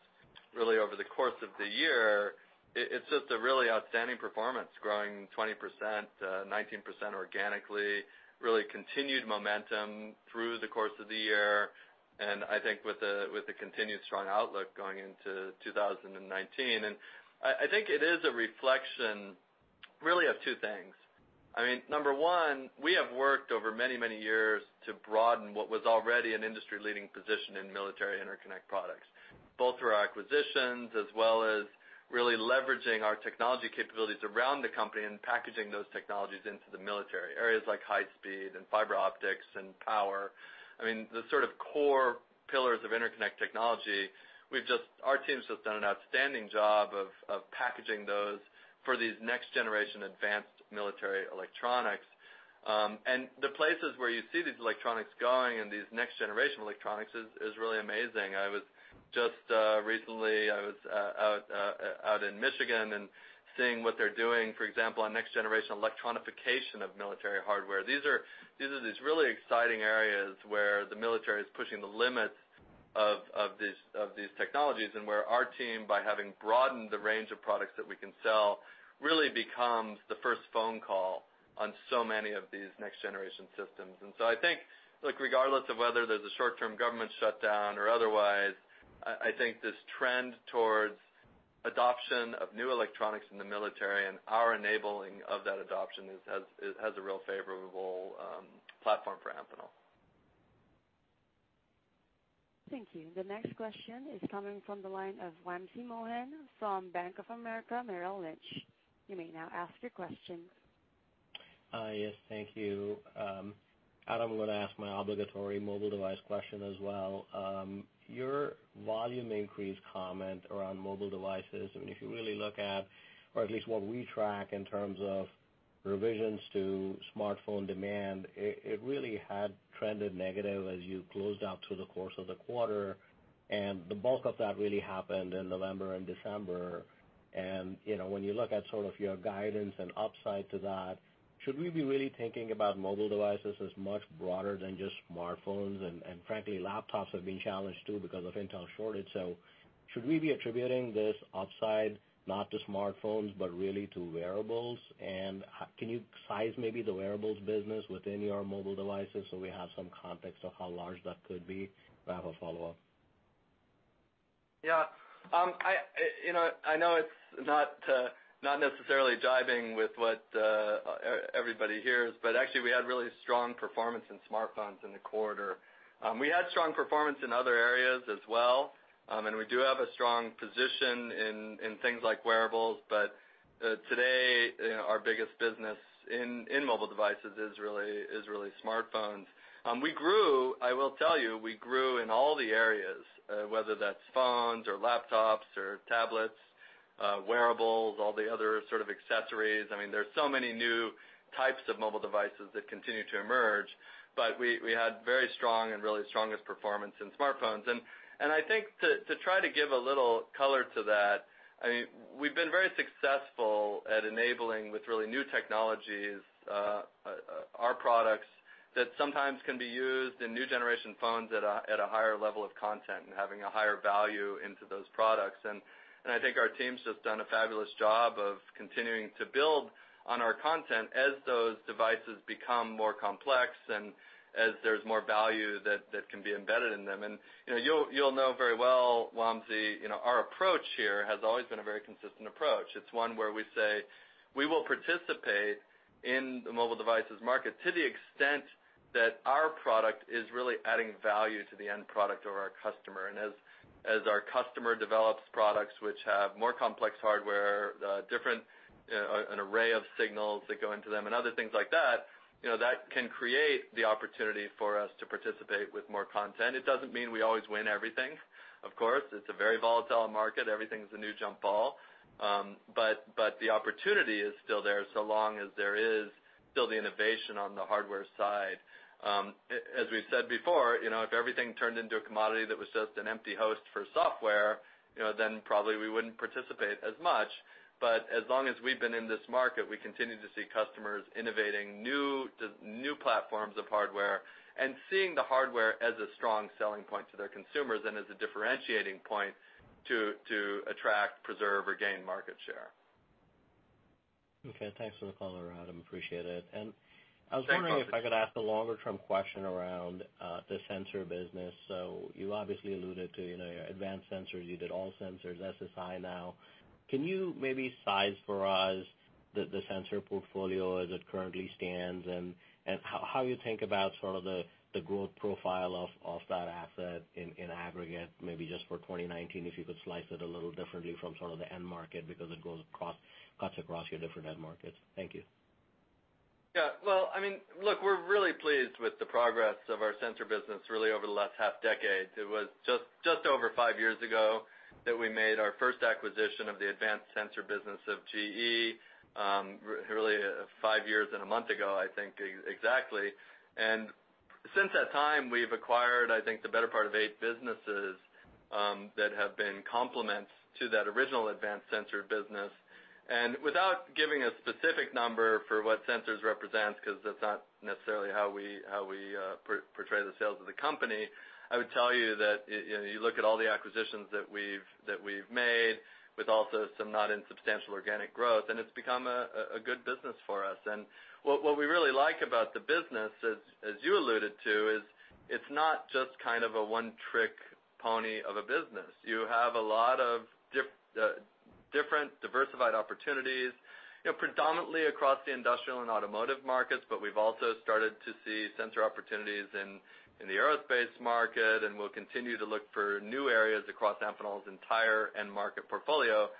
really over the course of the year, it's just a really outstanding performance, growing 20%, 19% organically, really continued momentum through the course of the year, and I think with a continued strong outlook going into 2019. And I think it is a reflection really of two things. I mean, number one, we have worked over many, many years to broaden what was already an industry-leading position in military interconnect products, both through our acquisitions as well as really leveraging our technology capabilities around the company and packaging those technologies into the military. Areas like high speed and fiber optics and power, I mean, the sort of core pillars of interconnect technology, we've just, our team's just done an outstanding job of packaging those for these next-generation advanced military electronics. And the places where you see these electronics going and these next-generation electronics is really amazing. I was just recently out in Michigan and seeing what they're doing, for example, on next-generation electronification of military hardware. These are these really exciting areas where the military is pushing the limits of these technologies, and where our team, by having broadened the range of products that we can sell, really becomes the first phone call on so many of these next-generation systems. And so I think, look, regardless of whether there's a short-term government shutdown or otherwise, I think this trend towards adoption of new electronics in the military and our enabling of that adoption is, it has a real favorable platform for Amphenol. Thank you. The next question is coming from the line of Wamsi Mohan from Bank of America Merrill Lynch. You may now ask your question. Hi, yes, thank you. Adam, I'm gonna ask my obligatory mobile device question as well. Your volume increase comment around mobile devices, I mean, if you really look at or at least what we track in terms of revisions to smartphone demand, it really had trended negative as you closed out through the course of the quarter, and the bulk of that really happened in November and December. And, you know, when you look at sort of your guidance and upside to that, should we be really thinking about mobile devices as much broader than just smartphones? And frankly, laptops have been challenged, too, because of Intel shortage. So should we be attributing this upside, not to smartphones, but really to wearables? And can you size maybe the wearables business within your mobile devices so we have some context of how large that could be? I have a follow-up. Yeah. I, you know, I know it's not, not necessarily jiving with what, everybody hears, but actually, we had really strong performance in smartphones in the quarter. We had strong performance in other areas as well, and we do have a strong position in, in things like wearables, but, today, our biggest business in, in mobile devices is really, is really smartphones. We grew, I will tell you, we grew in all the areas, whether that's phones or laptops or tablets, wearables, all the other sort of accessories. I mean, there are so many new types of mobile devices that continue to emerge, but we, we had very strong and really strongest performance in smartphones. I think to try to give a little color to that, I mean, we've been very successful at enabling, with really new technologies, our products that sometimes can be used in new generation phones at a higher level of content and having a higher value into those products. I think our team's just done a fabulous job of continuing to build on our content as those devices become more complex and as there's more value that can be embedded in them. You know, you'll know very well, Wamsi, you know, our approach here has always been a very consistent approach. It's one where we say, we will participate in the mobile devices market to the extent that our product is really adding value to the end product or our customer. As our customer develops products which have more complex hardware, different, an array of signals that go into them and other things like that, you know, that can create the opportunity for us to participate with more content. It doesn't mean we always win everything. Of course, it's a very volatile market. Everything's a new jump ball. But the opportunity is still there so long as there is still the innovation on the hardware side. As we've said before, you know, if everything turned into a commodity that was just an empty host for software, you know, then probably we wouldn't participate as much. But as long as we've been in this market, we continue to see customers innovating new platforms of hardware and seeing the hardware as a strong selling point to their consumers and as a differentiating point to attract, preserve, or gain market share. Okay, thanks for the call, Adam. Appreciate it. Thanks, Wamsi. And I was wondering if I could ask a longer-term question around the sensor business. So you obviously alluded to, you know, your Advanced Sensors. You did All Sensors, SSI now. Can you maybe size for us the sensor portfolio as it currently stands? And how you think about sort of the growth profile of that asset in aggregate, maybe just for 2019, if you could slice it a little differently from sort of the end market, because it goes across, cuts across your different end markets. Thank you. Yeah. Well, I mean, look, we're really pleased with the progress of our sensor business really over the last half decade. It was just over 5 years ago that we made our first acquisition of the advanced sensor business of GE, really five years and a month ago, I think, exactly. And since that time, we've acquired, I think, the better part of 8 businesses that have been complements to that original advanced sensor business. And without giving a specific number for what sensors represents, 'cause that's not necessarily how we portray the sales of the company, I would tell you that, you know, you look at all the acquisitions that we've made, with also some not insubstantial organic growth, and it's become a good business for us. And what we really like about the business, as you alluded to, is it's not just kind of a one-trick pony of a business. You have a lot of different diversified opportunities, you know, predominantly across the industrial and automotive markets, but we've also started to see sensor opportunities in the aerospace market, and we'll continue to look for new areas across Amphenol's entire end market portfolio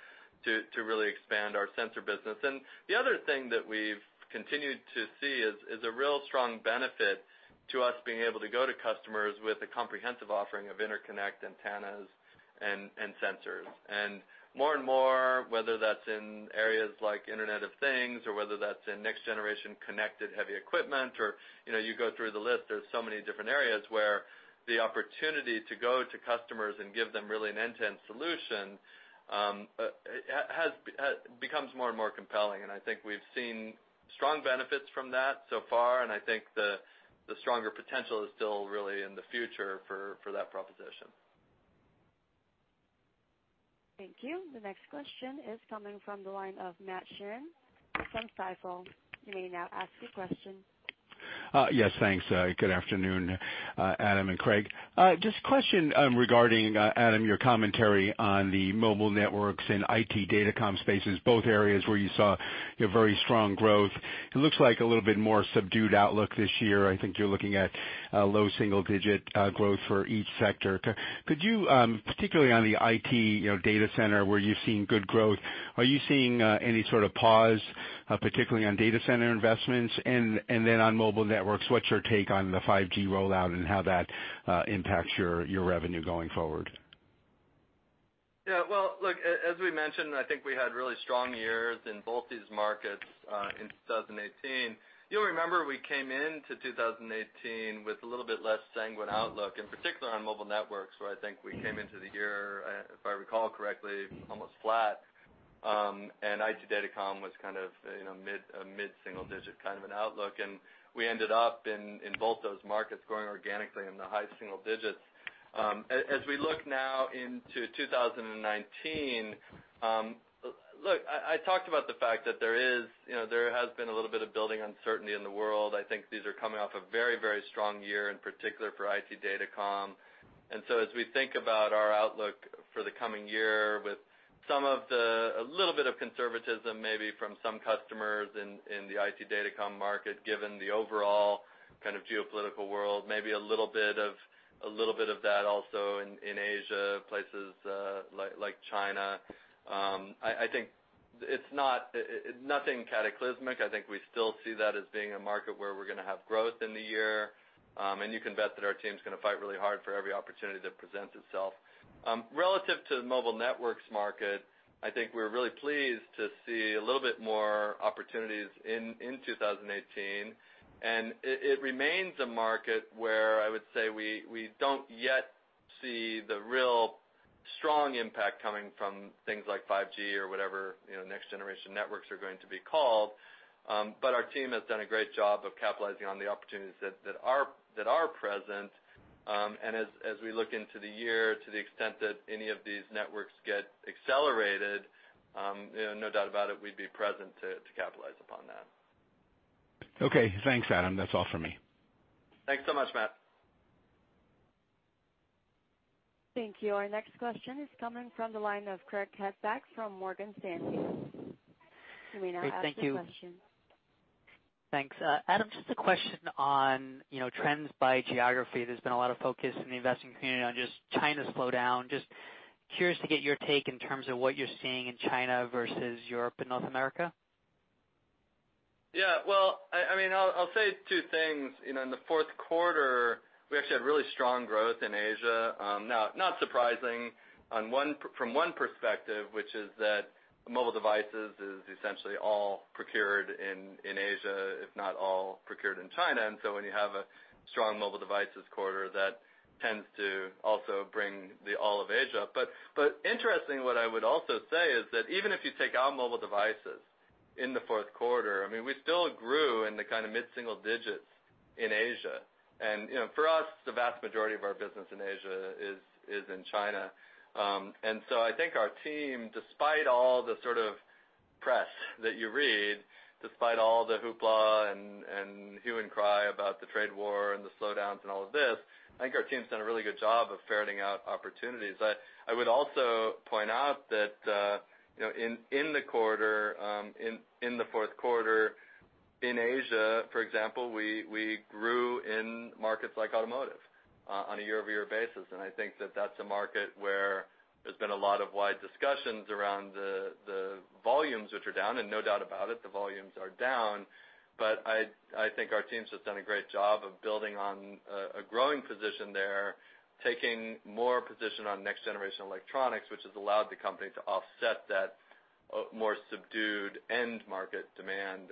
to really expand our sensor business. And the other thing that we've continued to see is a real strong benefit to us being able to go to customers with a comprehensive offering of interconnect, antennas, and sensors. And more and more, whether that's in areas like Internet of Things, or whether that's in next-generation connected heavy equipment or, you know, you go through the list, there's so many different areas where the opportunity to go to customers and give them really an end-to-end solution, has becomes more and more compelling. And I think we've seen strong benefits from that so far, and I think the, the stronger potential is still really in the future for, for that proposition. Thank you. The next question is coming from the line of Matt Sheerin from Stifel. You may now ask your question. Yes, thanks. Good afternoon, Adam and Craig. Just a question regarding Adam, your commentary on the mobile networks and IT Datacom spaces, both areas where you saw, you know, very strong growth. It looks like a little bit more subdued outlook this year. I think you're looking at low single digit growth for each sector. Could you, particularly on the IT, you know, data center, where you've seen good growth, are you seeing any sort of pause, particularly on data center investments? And then on mobile networks, what's your take on the 5G rollout and how that impacts your revenue going forward? Yeah, well, look, as we mentioned, I think we had really strong years in both these markets in 2018. You'll remember we came into 2018 with a little bit less sanguine outlook, in particular on mobile networks, where I think we came into the year, if I recall correctly, almost flat. And IT Datacom was kind of, you know, mid-single digit kind of an outlook, and we ended up in both those markets growing organically in the high single digits. As we look now into 2019, look, I talked about the fact that there is, you know, there has been a little bit of building uncertainty in the world. I think these are coming off a very, very strong year, in particular for IT Datacom. And so as we think about our outlook for the coming year, with some of the a little bit of conservatism, maybe from some customers in, in the IT Datacom market, given the overall kind of geopolitical world, maybe a little bit of, a little bit of that also in, in Asia, places, like, like China. I think it's not nothing cataclysmic. I think we still see that as being a market where we're gonna have growth in the year. And you can bet that our team's gonna fight really hard for every opportunity that presents itself. Relative to the mobile networks market, I think we're really pleased to see a little bit more opportunities in, in 2018. It remains a market where I would say we don't yet see the real strong impact coming from things like 5G or whatever, you know, next-generation networks are going to be called. But our team has done a great job of capitalizing on the opportunities that are present. And as we look into the year, to the extent that any of these networks get accelerated, you know, no doubt about it, we'd be present to capitalize upon that. Okay. Thanks, Adam. That's all for me. Thanks so much, Matt. Thank you. Our next question is coming from the line of Craig Hettenbach from Morgan Stanley. You may now ask your question. Great. Thank you. Thanks. Adam, just a question on, you know, trends by geography. There's been a lot of focus in the investing community on just China's slowdown. Just curious to get your take in terms of what you're seeing in China versus Europe and North America. Yeah, well, I mean, I'll say two things. You know, in the fourth quarter, we actually had really strong growth in Asia. Not surprising from one perspective, which is that mobile devices is essentially all procured in Asia, if not all procured in China. And so when you have a strong mobile devices quarter, that tends to also bring all of Asia. But interesting, what I would also say is that even if you take out mobile devices in the fourth quarter, I mean, we still grew in the kind of mid-single digits in Asia. And, you know, for us, the vast majority of our business in Asia is in China. And so I think our team, despite all the sort of press that you read, despite all the hoopla and hue and cry about the trade war and the slowdowns and all of this, I think our team's done a really good job of ferreting out opportunities. I would also point out that you know, in the quarter, in the fourth quarter, in Asia, for example, we grew in markets like automotive, on a year-over-year basis, and I think that that's a market where there's been a lot of wide discussions around the volumes which are down, and no doubt about it, the volumes are down. But I think our teams have done a great job of building on a growing position there, taking more position on next-generation electronics, which has allowed the company to offset that more subdued end market demand....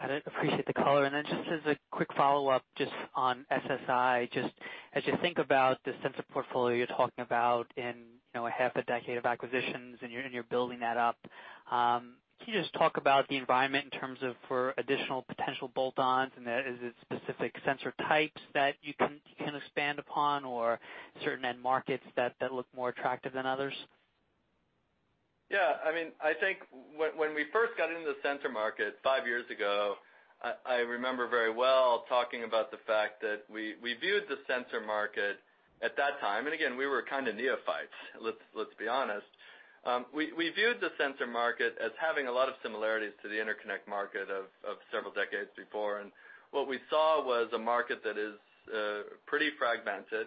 Got it. Appreciate the color. And then just as a quick follow-up, just on SSI, just as you think about the sensor portfolio you're talking about in, you know, a half a decade of acquisitions, and you're building that up, can you just talk about the environment in terms of for additional potential bolt-ons, and is it specific sensor types that you can expand upon or certain end markets that look more attractive than others? Yeah, I mean, I think when, when we first got into the sensor market five years ago, I, I remember very well talking about the fact that we, we viewed the sensor market at that time, and again, we were kind of neophytes, let's, let's be honest. We, we viewed the sensor market as having a lot of similarities to the interconnect market of, of several decades before. And what we saw was a market that is pretty fragmented,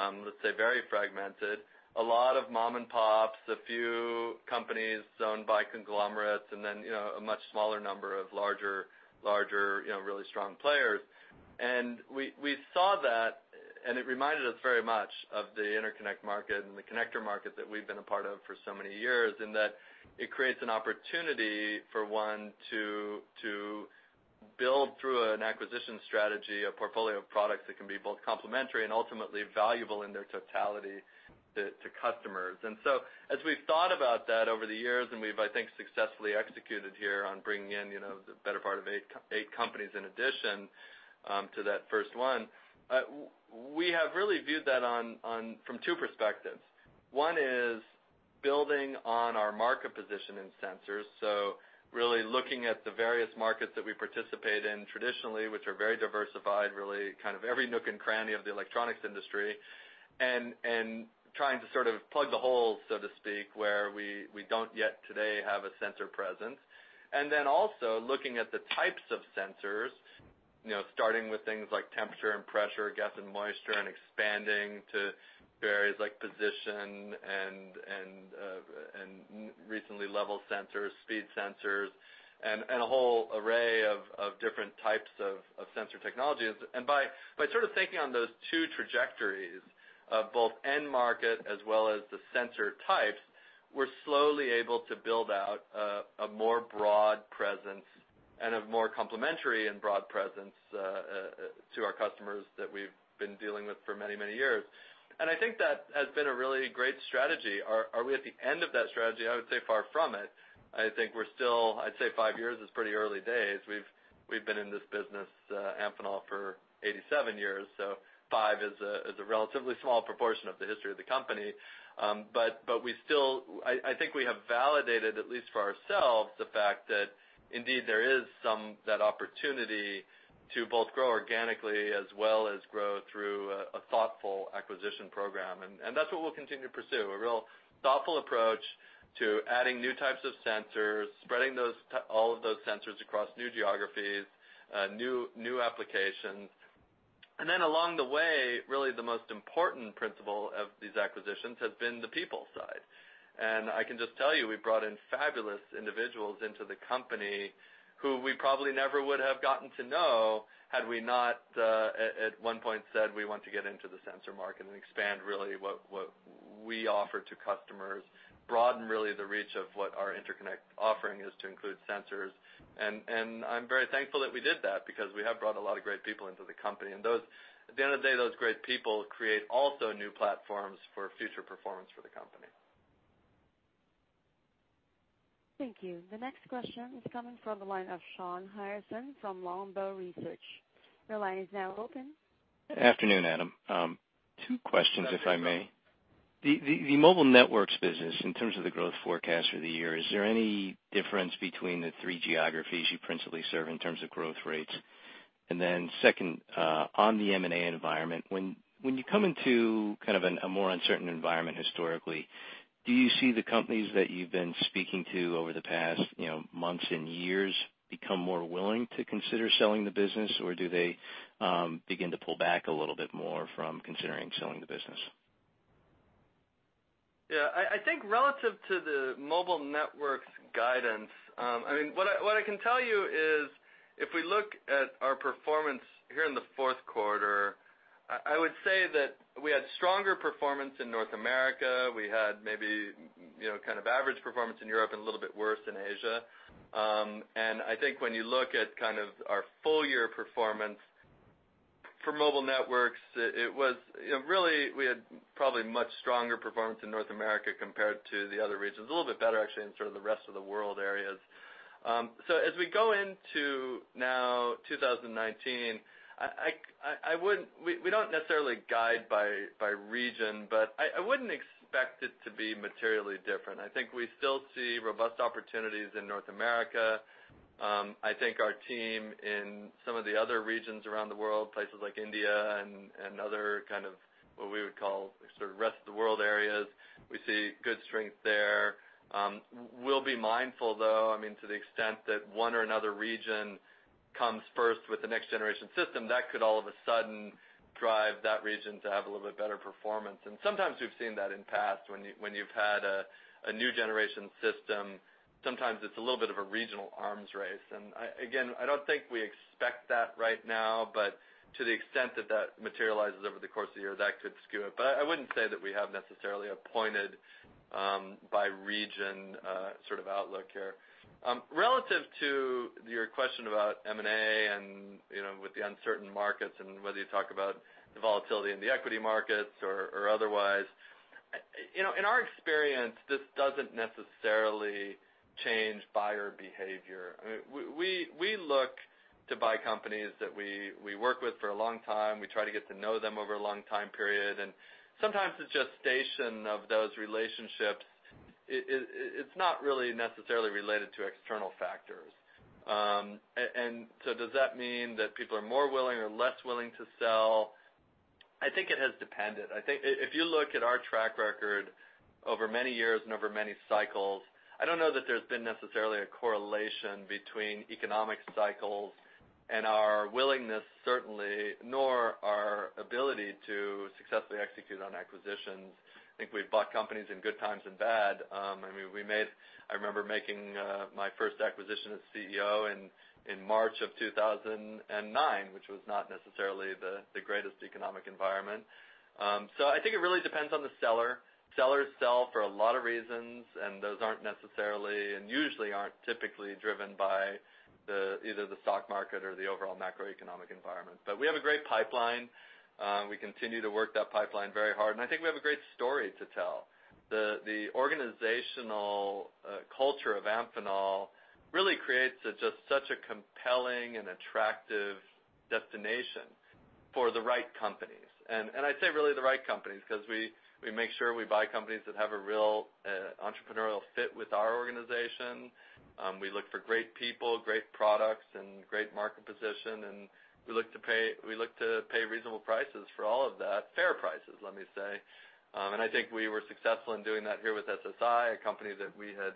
let's say very fragmented, a lot of mom and pops, a few companies owned by conglomerates, and then, you know, a much smaller number of larger, larger, you know, really strong players. We saw that, and it reminded us very much of the interconnect market and the connector market that we've been a part of for so many years, in that it creates an opportunity for one to build through an acquisition strategy, a portfolio of products that can be both complementary and ultimately valuable in their totality to customers. And so as we've thought about that over the years, and we've, I think, successfully executed here on bringing in, you know, the better part of eight companies in addition to that first one, we have really viewed that on from two perspectives. One is building on our market position in sensors, so really looking at the various markets that we participate in traditionally, which are very diversified, really kind of every nook and cranny of the electronics industry, and trying to sort of plug the holes, so to speak, where we don't yet today have a sensor presence. And then also looking at the types of sensors, you know, starting with things like temperature and pressure, gas and moisture, and expanding to areas like position and recently, level sensors, speed sensors, and a whole array of different types of sensor technologies. And by sort of thinking on those two trajectories of both end market as well as the sensor types, we're slowly able to build out a more broad presence and a more complementary and broad presence to our customers that we've been dealing with for many, many years. And I think that has been a really great strategy. Are we at the end of that strategy? I would say far from it. I think we're still. I'd say five years is pretty early days. We've been in this business, Amphenol for 87 years, so five is a relatively small proportion of the history of the company. But we still—I think we have validated, at least for ourselves, the fact that indeed there is some that opportunity to both grow organically as well as grow through a thoughtful acquisition program. And that's what we'll continue to pursue, a real thoughtful approach to adding new types of sensors, spreading those, all of those sensors across new geographies, new applications. And then along the way, really the most important principle of these acquisitions has been the people side. And I can just tell you, we've brought in fabulous individuals into the company who we probably never would have gotten to know had we not at one point said, we want to get into the sensor market and expand really what we offer to customers, broaden really the reach of what our interconnect offering is to include sensors. And I'm very thankful that we did that because we have brought a lot of great people into the company. And those, at the end of the day, those great people create also new platforms for future performance for the company. Thank you. The next question is coming from the line of Shawn Harrison from Longbow Research. Your line is now open. Afternoon, Adam. Two questions, if I may. The mobile networks business, in terms of the growth forecast for the year, is there any difference between the three geographies you principally serve in terms of growth rates? And then second, on the M&A environment, when you come into kind of a more uncertain environment historically, do you see the companies that you've been speaking to over the past, you know, months and years become more willing to consider selling the business, or do they begin to pull back a little bit more from considering selling the business? Yeah, I think relative to the mobile networks guidance, I mean, what I can tell you is if we look at our performance here in the fourth quarter, I would say that we had stronger performance in North America. We had maybe, you know, kind of average performance in Europe and a little bit worse in Asia. And I think when you look at kind of our full year performance for mobile networks, it was, you know, really, we had probably much stronger performance in North America compared to the other regions. A little bit better, actually, in sort of the rest of the world areas. So as we go into now 2019, I wouldn't. We don't necessarily guide by region, but I wouldn't expect it to be materially different. I think we still see robust opportunities in North America. I think our team in some of the other regions around the world, places like India and other kind of what we would call sort of rest of the world areas, we see good strength there. We'll be mindful, though, I mean, to the extent that one or another region comes first with the next generation system, that could all of a sudden drive that region to have a little bit better performance. And sometimes we've seen that in past when you've had a new generation system, sometimes it's a little bit of a regional arms race. And, again, I don't think we expect that right now, but to the extent that that materializes over the course of the year, that could skew it. But I wouldn't say that we have necessarily a pointed by region sort of outlook here. Relative to your question about M&A and, you know, with the uncertain markets and whether you talk about the volatility in the equity markets or otherwise, you know, in our experience, this doesn't necessarily change buyer behavior. I mean, we look to buy companies that we work with for a long time. We try to get to know them over a long time period, and sometimes it's just situation of those relationships. It's not really necessarily related to external factors. And so does that mean that people are more willing or less willing to sell? I think it has depended. I think if you look at our track record over many years and over many cycles, I don't know that there's been necessarily a correlation between economic cycles and our willingness, certainly, nor our ability to successfully execute on acquisitions. I think we've bought companies in good times and bad. I mean, I remember making my first acquisition as CEO in March of 2009, which was not necessarily the greatest economic environment. So I think it really depends on the seller. Sellers sell for a lot of reasons, and those aren't necessarily, and usually aren't typically driven by either the stock market or the overall macroeconomic environment. But we have a great pipeline. We continue to work that pipeline very hard, and I think we have a great story to tell. The organizational culture of Amphenol really creates such a compelling and attractive destination for the right companies. And I say really the right companies, 'cause we make sure we buy companies that have a real entrepreneurial fit with our organization. We look for great people, great products, and great market position, and we look to pay reasonable prices for all of that. Fair prices, let me say. And I think we were successful in doing that here with SSI, a company that we had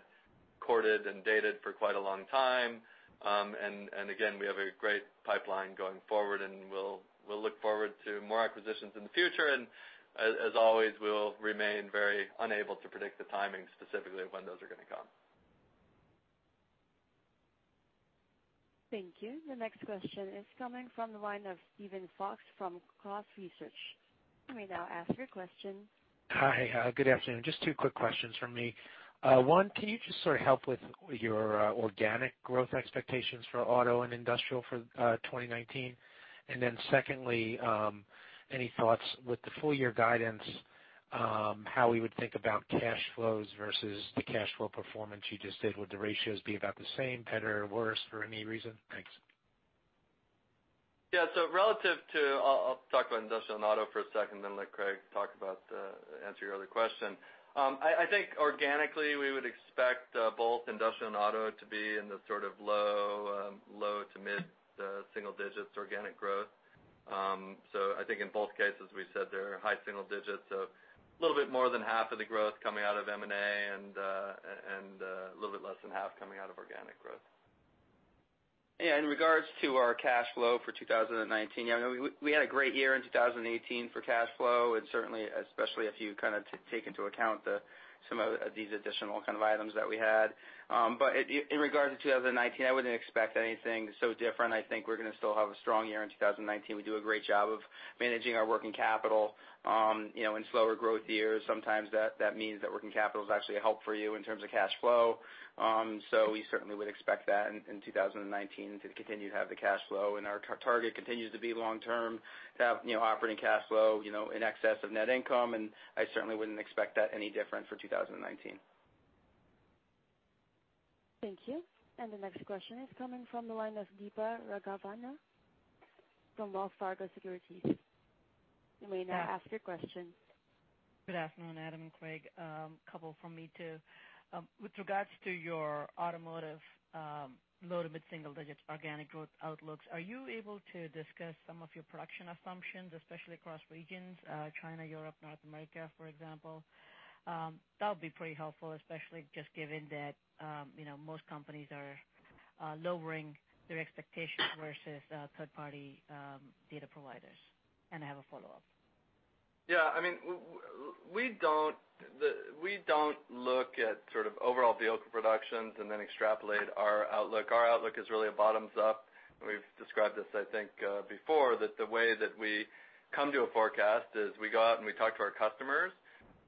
courted and dated for quite a long time. And again, we have a great pipeline going forward, and we'll look forward to more acquisitions in the future. And as always, we'll remain very unable to predict the timing, specifically when those are gonna come. Thank you. The next question is coming from the line of Steven Fox from Cross Research. You may now ask your question. Hi, good afternoon. Just two quick questions from me. One, can you just sort of help with your organic growth expectations for auto and industrial for 2019? And then secondly, any thoughts with the full year guidance, how we would think about cash flows versus the cash flow performance you just did? Would the ratios be about the same, better or worse for any reason? Thanks. Yeah, so relative to... I'll talk about industrial and auto for a second, then let Craig talk about answer your other question. I think organically, we would expect both industrial and auto to be in the sort of low, low to mid single digits organic growth. So I think in both cases, we said they're high single digits, so a little bit more than half of the growth coming out of M&A and a little bit less than half coming out of organic growth. Yeah, in regards to our cash flow for 2019, you know, we had a great year in 2018 for cash flow, and certainly, especially if you kind of take into account some of these additional kind of items that we had. But it... In regards to 2019, I wouldn't expect anything so different. I think we're gonna still have a strong year in 2019. We do a great job of managing our working capital. You know, in slower growth years, sometimes that means that working capital is actually a help for you in terms of cash flow. So we certainly would expect that in 2019 to continue to have the cash flow, and our target continues to be long term. To have, you know, operating cash flow, you know, in excess of net income, and I certainly wouldn't expect that any different for 2019. Thank you. And the next question is coming from the line of Deepa Raghavan from Wells Fargo Securities. You may now ask your question. Good afternoon, Adam and Craig. A couple from me, too. With regards to your automotive, low to mid-single digits organic growth outlooks, are you able to discuss some of your production assumptions, especially across regions, China, Europe, North America, for example? That would be pretty helpful, especially just given that, you know, most companies are lowering their expectations versus third-party data providers. And I have a follow-up. Yeah, I mean, we don't look at sort of overall vehicle productions and then extrapolate our outlook. Our outlook is really a bottoms-up. We've described this, I think, before, that the way that we come to a forecast is we go out and we talk to our customers,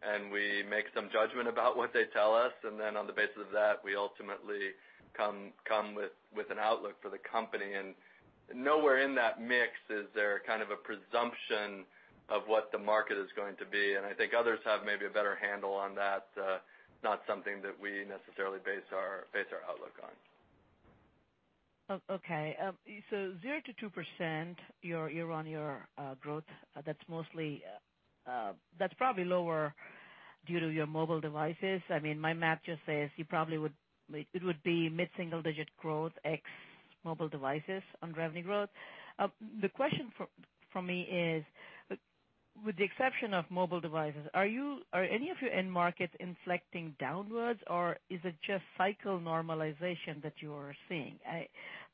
and we make some judgment about what they tell us, and then on the basis of that, we ultimately come with an outlook for the company. And nowhere in that mix is there kind of a presumption of what the market is going to be. And I think others have maybe a better handle on that. Not something that we necessarily base our outlook on. Okay. So 0%-2%, you're on your growth. That's mostly that's probably lower due to your mobile devices. I mean, my math just says you probably would, like, it would be mid-single digit growth ex mobile devices on revenue growth. The question for me is, with the exception of mobile devices, are you— are any of your end markets inflecting downwards, or is it just cycle normalization that you are seeing?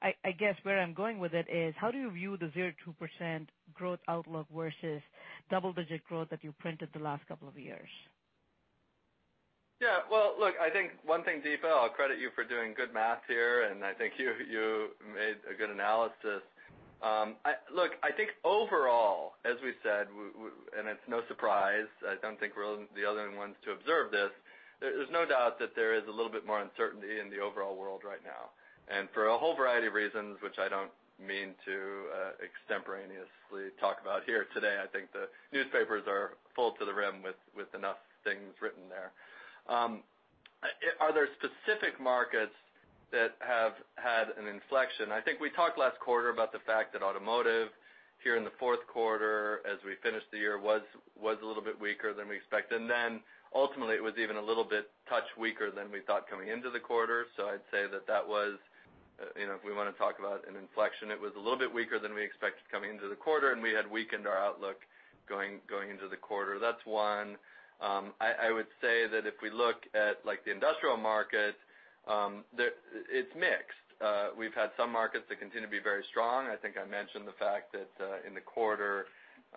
I guess where I'm going with it is, how do you view the 0%-2% growth outlook versus double-digit growth that you've printed the last couple of years? Yeah, well, look, I think one thing, Deepa. I'll credit you for doing good math here, and I think you made a good analysis. Look, I think overall, as we said, and it's no surprise, I don't think we're the only ones to observe this. There's no doubt that there is a little bit more uncertainty in the overall world right now. And for a whole variety of reasons, which I don't mean to extemporaneously talk about here today, I think the newspapers are full to the rim with enough things written there. Are there specific markets that have had an inflection? I think we talked last quarter about the fact that automotive, here in the fourth quarter, as we finished the year, was a little bit weaker than we expected. And then ultimately, it was even a little bit touch weaker than we thought coming into the quarter. So I'd say that was, you know, if we wanna talk about an inflection, it was a little bit weaker than we expected coming into the quarter, and we had weakened our outlook going into the quarter. That's one. I would say that if we look at, like, the industrial market, it's mixed. We've had some markets that continue to be very strong. I think I mentioned the fact that, in the quarter,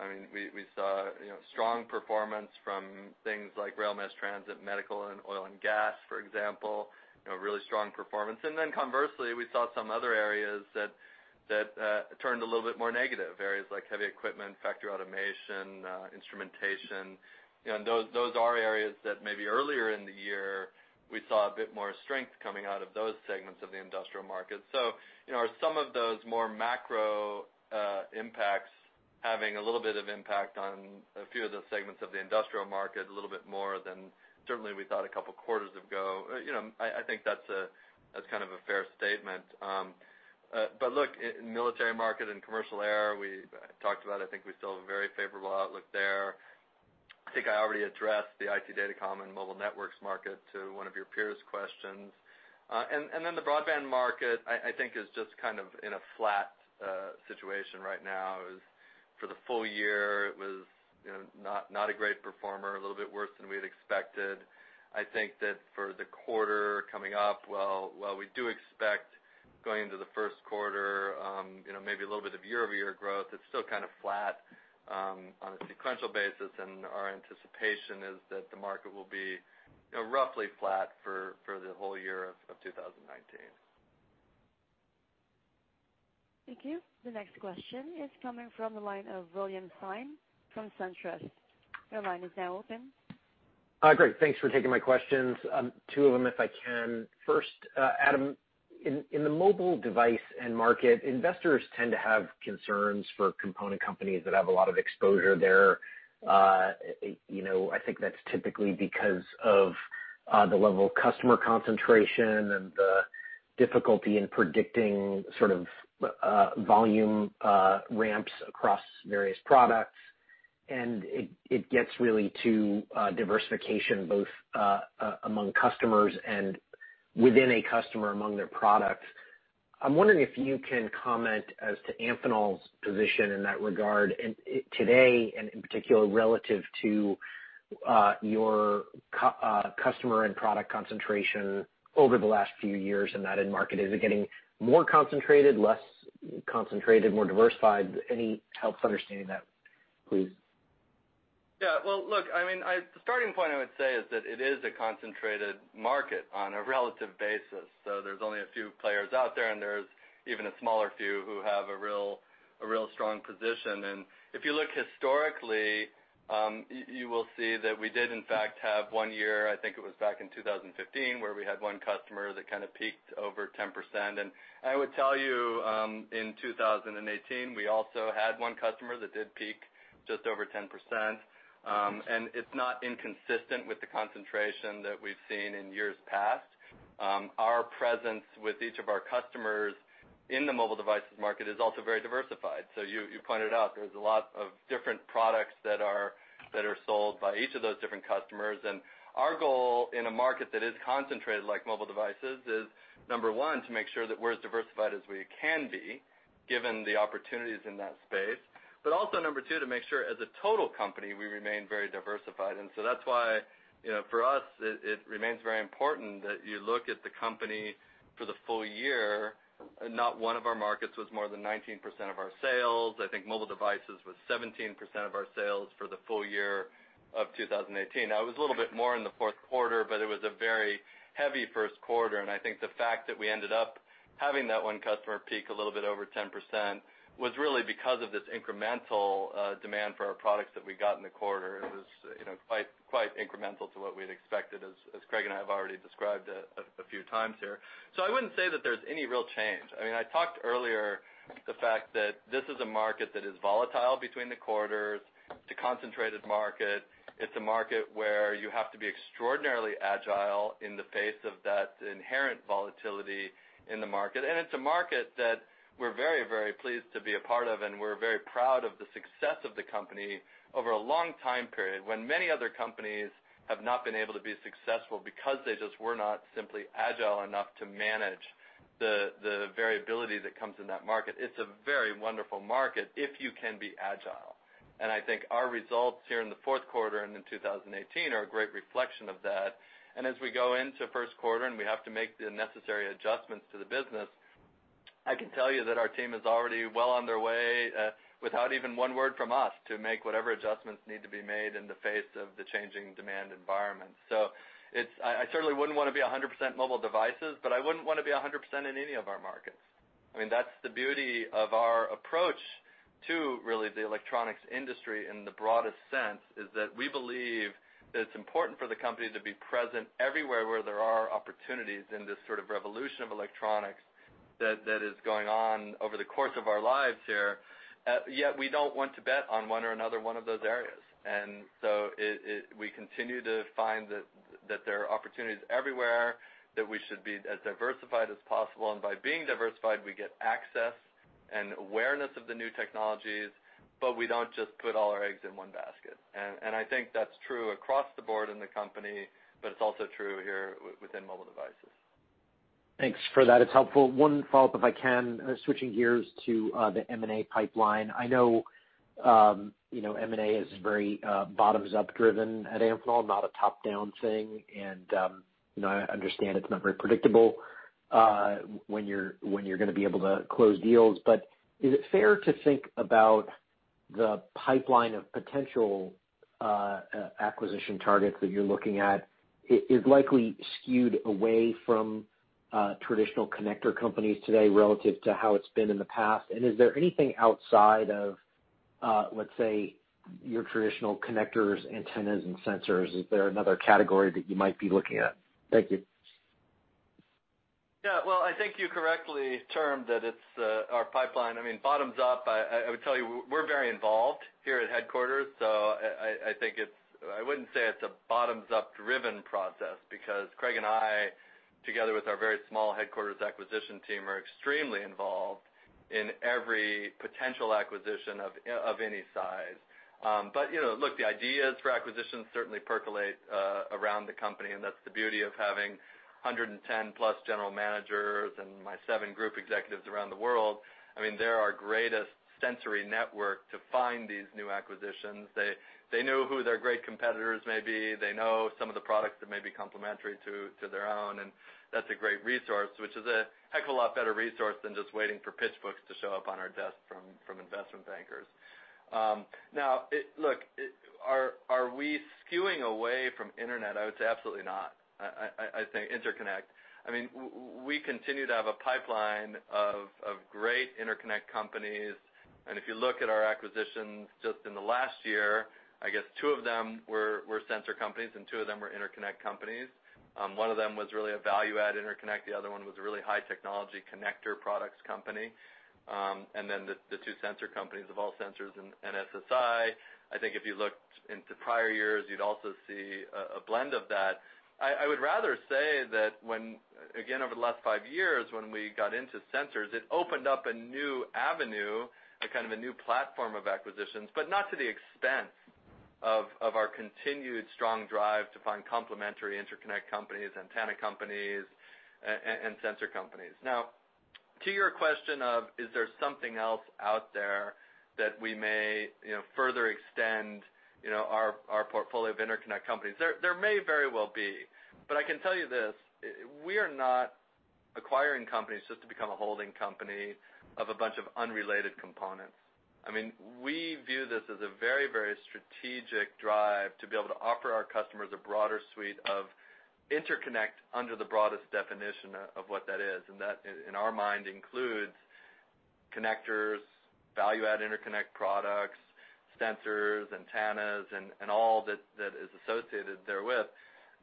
I mean, we saw, you know, strong performance from things like rail, mass transit, medical, and oil and gas, for example, you know, really strong performance. And then conversely, we saw some other areas that turned a little bit more negative. Areas like heavy equipment, factory automation, instrumentation, you know, and those are areas that maybe earlier in the year, we saw a bit more strength coming out of those segments of the industrial market. So, you know, are some of those more macro impacts having a little bit of impact on a few of the segments of the industrial market, a little bit more than certainly we thought a couple of quarters ago? You know, I think that's kind of a fair statement. But look, in military market and commercial air, we talked about. I think we still have a very favorable outlook there. I think I already addressed the IT Datacom and mobile networks market to one of your peer's questions. And then the broadband market, I think, is just kind of in a flat situation right now. For the full year, it was, you know, not a great performer, a little bit worse than we had expected. I think that for the quarter coming up, while we do expect going into the first quarter, you know, maybe a little bit of year-over-year growth, it's still kind of flat on a sequential basis, and our anticipation is that the market will be, you know, roughly flat for the whole year of 2019. Thank you. The next question is coming from the line of William Stein from SunTrust. Your line is now open. Great. Thanks for taking my questions. Two of them, if I can. First, Adam, in the mobile device end market, investors tend to have concerns for component companies that have a lot of exposure there. You know, I think that's typically because of the level of customer concentration and the difficulty in predicting sort of volume ramps across various products. It gets really to diversification, both among customers and within a customer among their products. I'm wondering if you can comment as to Amphenol's position in that regard and today, and in particular, relative to your customer and product concentration over the last few years in that end market. Is it getting more concentrated, less concentrated, more diversified? Any help understanding that, please. Yeah, well, look, I mean, the starting point I would say is that it is a concentrated market on a relative basis. So there's only a few players out there, and there's even a smaller few who have a real, a real strong position. And if you look historically, you will see that we did in fact have one year, I think it was back in 2015, where we had one customer that kind of peaked over 10%. And I would tell you, in 2018, we also had one customer that did peak just over 10%. And it's not inconsistent with the concentration that we've seen in years past. Our presence with each of our customers in the mobile devices market is also very diversified. So you pointed out there's a lot of different products that are sold by each of those different customers. And our goal in a market that is concentrated like mobile devices is, number one, to make sure that we're as diversified as we can be, given the opportunities in that space. But also, number two, to make sure as a total company, we remain very diversified. And so that's why, you know, for us, it remains very important that you look at the company for the full year, and not one of our markets was more than 19% of our sales. I think mobile devices was 17% of our sales for the full year of 2018. Now, it was a little bit more in the fourth quarter, but it was a very heavy first quarter, and I think the fact that we ended up having that one customer peak a little bit over 10% was really because of this incremental demand for our products that we got in the quarter. It was, you know, quite, quite incremental to what we'd expected, as Craig and I have already described a few times here. So I wouldn't say that there's any real change. I mean, I talked earlier, the fact that this is a market that is volatile between the quarters. It's a concentrated market. It's a market where you have to be extraordinarily agile in the face of that inherent volatility in the market. And it's a market that we're very, very pleased to be a part of, and we're very proud of the success of the company over a long time period, when many other companies have not been able to be successful because they just were not simply agile enough to manage the, the variability that comes in that market. It's a very wonderful market if you can be agile, and I think our results here in the fourth quarter and in 2018 are a great reflection of that. As we go into first quarter, and we have to make the necessary adjustments to the business, I can tell you that our team is already well on their way without even one word from us to make whatever adjustments need to be made in the face of the changing demand environment. So it's, I certainly wouldn't want to be 100% mobile devices, but I wouldn't want to be 100% in any of our markets. I mean, that's the beauty of our approach to really the electronics industry in the broadest sense, is that we believe that it's important for the company to be present everywhere where there are opportunities in this sort of revolution of electronics that is going on over the course of our lives here. Yet we don't want to bet on one or another one of those areas. And so we continue to find that there are opportunities everywhere, that we should be as diversified as possible, and by being diversified, we get access and awareness of the new technologies, but we don't just put all our eggs in one basket. And I think that's true across the board in the company, but it's also true here within mobile devices. Thanks for that. It's helpful. One follow-up, if I can, switching gears to the M&A pipeline. I know, you know, M&A is very, bottoms-up driven at Amphenol, not a top-down thing, and, you know, I understand it's not very predictable, when you're gonna be able to close deals. But is it fair to think about the pipeline of potential acquisition targets that you're looking at, is likely skewed away from traditional connector companies today relative to how it's been in the past? And is there anything outside of, let's say, your traditional connectors, antennas and sensors, is there another category that you might be looking at? Thank you. Yeah, well, I think you correctly termed that it's our pipeline. I mean, bottoms up, I would tell you, we're very involved here at headquarters, so I think it's—I wouldn't say it's a bottoms-up driven process, because Craig and I, together with our very small headquarters acquisition team, are extremely involved in every potential acquisition of any size. But, you know, look, the ideas for acquisitions certainly percolate around the company, and that's the beauty of having 110+ general managers and my seven group executives around the world. I mean, they're our greatest sensor network to find these new acquisitions. They know who their great competitors may be. They know some of the products that may be complementary to their own, and that's a great resource, which is a heck of a lot better resource than just waiting for pitch books to show up on our desk from investment bankers. Now, look, are we skewing away from interconnect? I would say absolutely not. I think interconnect. I mean, we continue to have a pipeline of great interconnect companies, and if you look at our acquisitions just in the last year, I guess two of them were sensor companies and 2 of them were interconnect companies. One of them was really a value-add interconnect, the other one was a really high technology connector products company. And then the two sensor companies, Evolve Sensors and SSI, I think if you looked into prior years, you'd also see a blend of that. I would rather say that when, again, over the last five years, when we got into sensors, it opened up a new avenue, a kind of a new platform of acquisitions, but not to the expense of our continued strong drive to find complementary interconnect companies, antenna companies, and sensor companies. Now, to your question of, is there something else out there that we may, you know, further extend, you know, our portfolio of interconnect companies? There may very well be, but I can tell you this, we are not acquiring companies just to become a holding company of a bunch of unrelated components. I mean, we view this as a very, very strategic drive to be able to offer our customers a broader suite of interconnect under the broadest definition of what that is, and that, in our mind, includes connectors, value-add interconnect products, sensors, antennas, and all that that is associated therewith.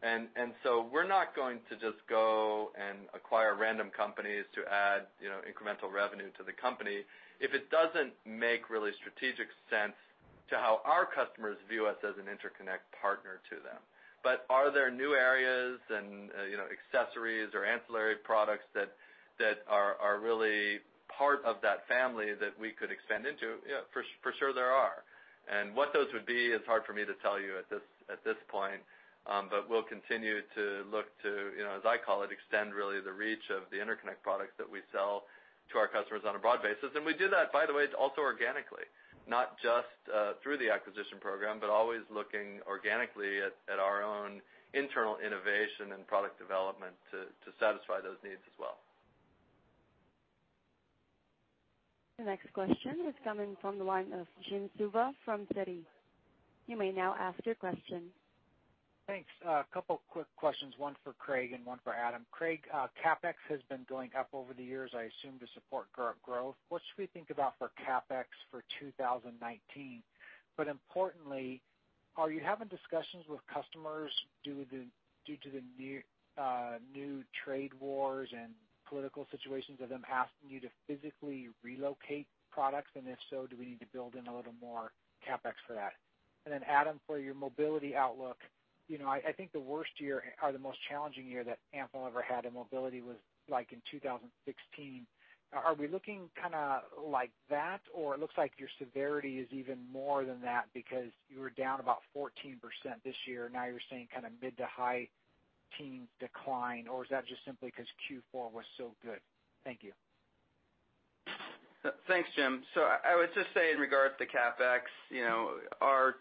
And so we're not going to just go and acquire random companies to add, you know, incremental revenue to the company if it doesn't make really strategic sense to how our customers view us as an interconnect partner to them. But are there new areas and, you know, accessories or ancillary products that that are really part of that family that we could expand into? Yeah, for sure there are. What those would be is hard for me to tell you at this point, but we'll continue to look to, you know, as I call it, extend really the reach of the interconnect products that we sell to our customers on a broad basis. And we do that, by the way, also organically, not just through the acquisition program, but always looking organically at our own internal innovation and product development to satisfy those needs as well. The next question is coming from the line of Jim Suva from Citi. You may now ask your question. Thanks. A couple quick questions, one for Craig and one for Adam. Craig, CapEx has been going up over the years, I assume, to support growth. What should we think about for CapEx for 2019? But importantly, are you having discussions with customers due to the new trade wars and political situations of them asking you to physically relocate products? And if so, do we need to build in a little more CapEx for that? And then, Adam, for your mobility outlook, you know, I think the worst year or the most challenging year that Amphenol ever had in mobility was like in 2016. Are we looking kind of like that, or it looks like your severity is even more than that because you were down about 14% this year, now you're saying kind of mid- to high-teens decline, or is that just simply because Q4 was so good? Thank you.... Thanks, Jim. So I would just say in regards to CapEx, you know, our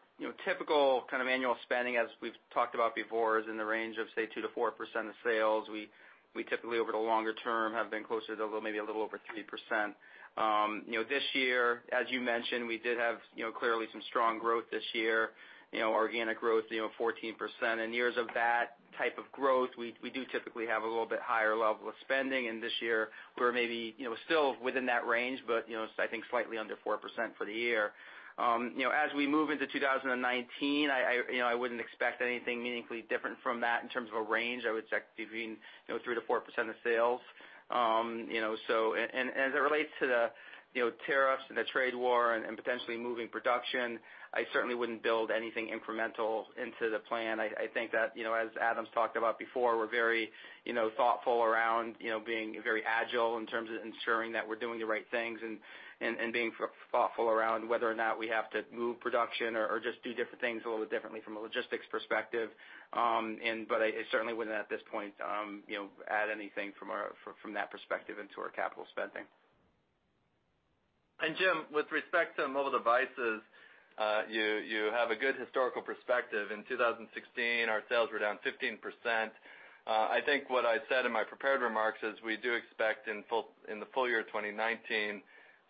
typical kind of annual spending, as we've talked about before, is in the range of, say, 2%-4% of sales. We typically, over the longer term, have been closer to maybe a little over 3%. You know, this year, as you mentioned, we did have clearly some strong growth this year, you know, organic growth, you know, 14%. In years of that type of growth, we do typically have a little bit higher level of spending, and this year we're maybe, you know, still within that range, but, you know, I think slightly under 4% for the year. You know, as we move into 2019, I, you know, I wouldn't expect anything meaningfully different from that in terms of a range. I would expect between, you know, 3%-4% of sales. You know, so and, and as it relates to the, you know, tariffs and the trade war and, and potentially moving production, I certainly wouldn't build anything incremental into the plan. I think that, you know, as Adam's talked about before, we're very, you know, thoughtful around, you know, being very agile in terms of ensuring that we're doing the right things and, and, and being thoughtful around whether or not we have to move production or, or just do different things a little bit differently from a logistics perspective. But I certainly wouldn't, at this point, you know, add anything from that perspective into our capital spending. Jim, with respect to mobile devices, you have a good historical perspective. In 2016, our sales were down 15%. I think what I said in my prepared remarks is we do expect in the full year of 2019,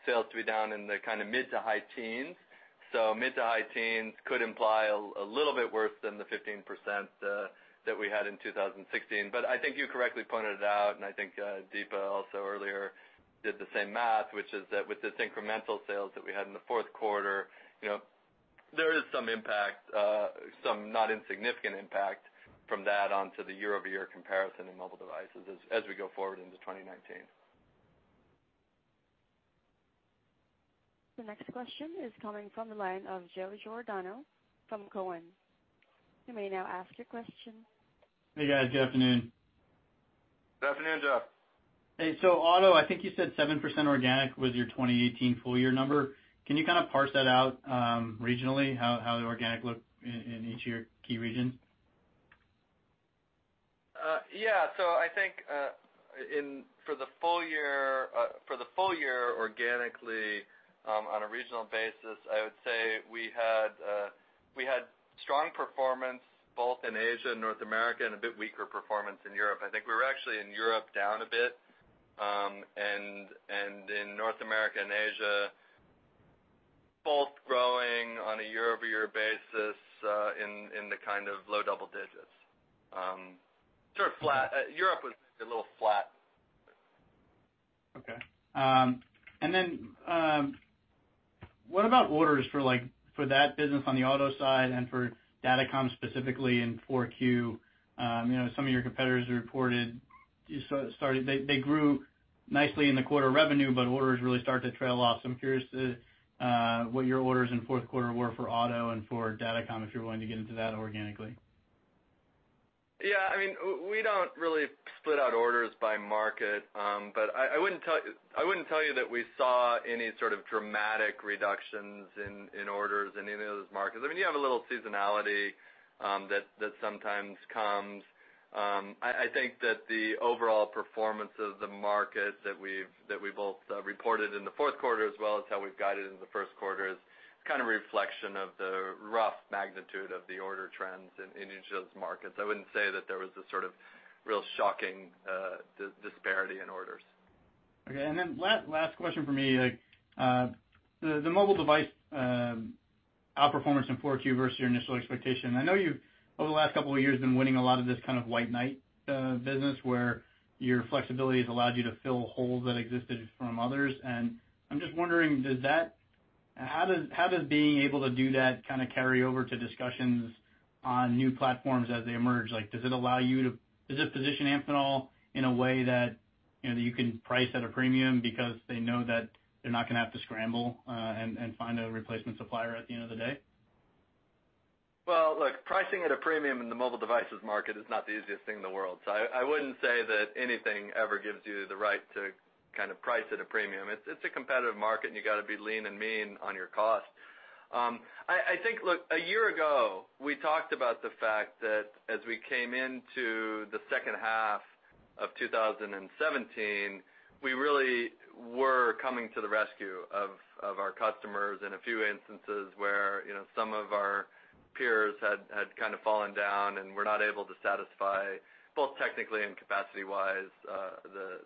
sales to be down in the kind of mid- to high teens. So mid- to high teens could imply a little bit worse than the 15% that we had in 2016. But I think you correctly pointed it out, and I think Deepa also earlier did the same math, which is that with this incremental sales that we had in the fourth quarter, you know, there is some impact, some not insignificant impact from that onto the year-over-year comparison in mobile devices as we go forward into 2019. The next question is coming from the line of Joe Giordano from Cowen. You may now ask your question. Hey, guys. Good afternoon. Good afternoon, Joe. Hey, so Adam, I think you said 7% organic was your 2018 full year number. Can you kind of parse that out, regionally, how the organic looked in each of your key regions? Yeah. So I think, for the full year, organically, on a regional basis, I would say we had strong performance both in Asia and North America, and a bit weaker performance in Europe. I think we were actually, in Europe, down a bit, and in North America and Asia, both growing on a year-over-year basis, in the kind of low double digits. Sort of flat. Europe was a little flat. Okay. And then, what about orders for like, for that business on the auto side and for Datacom, specifically in 4Q? You know, some of your competitors reported they grew nicely in the quarter revenue, but orders really started to trail off. So I'm curious to, what your orders in fourth quarter were for Auto and for Datacom, if you're willing to get into that organically. Yeah, I mean, we don't really split out orders by market, but I wouldn't tell you that we saw any sort of dramatic reductions in orders in any of those markets. I mean, you have a little seasonality that sometimes comes. I think that the overall performance of the markets that we both reported in the fourth quarter, as well as how we've guided in the first quarter, is kind of a reflection of the rough magnitude of the order trends in each of those markets. I wouldn't say that there was a sort of real shocking disparity in orders. Okay, and then last, last question for me. The mobile device outperformance in 4Q versus your initial expectation. I know you've, over the last couple of years, been winning a lot of this kind of white knight business, where your flexibility has allowed you to fill holes that existed from others. And I'm just wondering, does that... How does, how does being able to do that kind of carry over to discussions on new platforms as they emerge? Like, does it allow you to - does it position Amphenol in a way that, you know, you can price at a premium because they know that they're not gonna have to scramble, and find a replacement supplier at the end of the day? Well, look, pricing at a premium in the mobile devices market is not the easiest thing in the world. So I wouldn't say that anything ever gives you the right to kind of price at a premium. It's a competitive market, and you've got to be lean and mean on your cost. I think, look, a year ago, we talked about the fact that as we came into the second half of 2017, we really were coming to the rescue of our customers in a few instances where, you know, some of our peers had kind of fallen down and were not able to satisfy, both technically and capacity-wise,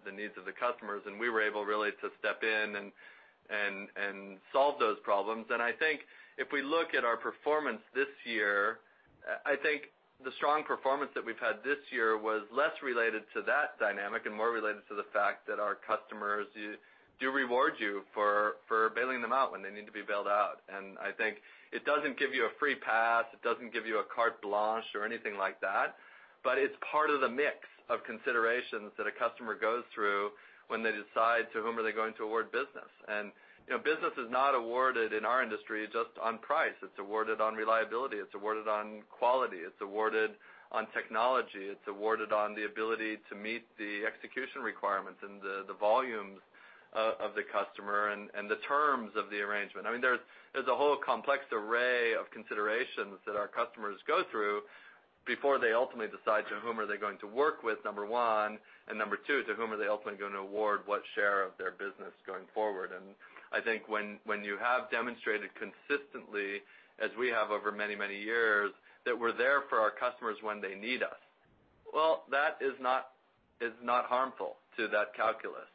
the needs of the customers. And we were able really to step in and solve those problems. And I think if we look at our performance this year, I think the strong performance that we've had this year was less related to that dynamic and more related to the fact that our customers do reward you for bailing them out when they need to be bailed out. And I think it doesn't give you a free pass, it doesn't give you a carte blanche or anything like that, but it's part of the mix of considerations that a customer goes through when they decide to whom are they going to award business. And, you know, business is not awarded in our industry just on price. It's awarded on reliability, it's awarded on quality, it's awarded on technology, it's awarded on the ability to meet the execution requirements and the volumes of the customer and the terms of the arrangement. I mean, there's a whole complex array of considerations that our customers go through before they ultimately decide to whom are they going to work with, number one, and number two, to whom are they ultimately going to award what share of their business going forward? And I think when you have demonstrated consistently, as we have over many, many years, that we're there for our customers when they need us, well, that is not harmful to that calculus.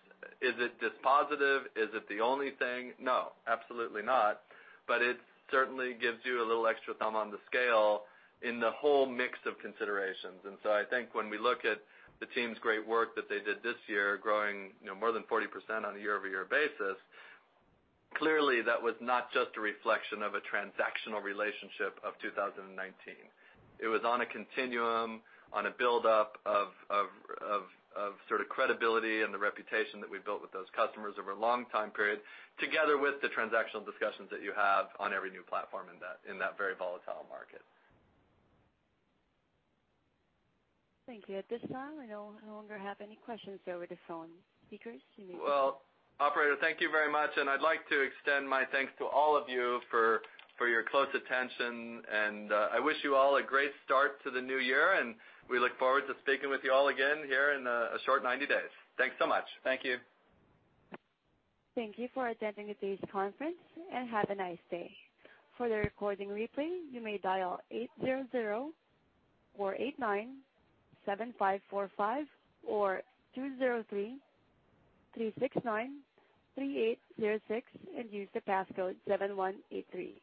Is it dispositive? Is it the only thing? No, absolutely not. But it certainly gives you a little extra thumb on the scale in the whole mix of considerations. So I think when we look at the team's great work that they did this year, growing, you know, more than 40% on a year-over-year basis, clearly, that was not just a reflection of a transactional relationship of 2019. It was on a continuum, on a buildup of sort of credibility and the reputation that we built with those customers over a long time period, together with the transactional discussions that you have on every new platform in that, in that very volatile market. Thank you. At this time, I no longer have any questions over the phone. Speakers, you may- Well, operator, thank you very much, and I'd like to extend my thanks to all of you for your close attention, and I wish you all a great start to the new year, and we look forward to speaking with you all again here in a short 90 days. Thanks so much. Thank you. Thank you for attending today's conference, and have a nice day. For the recording replay, you may dial 800-489-7545 or 203-369-3806 and use the passcode 7183.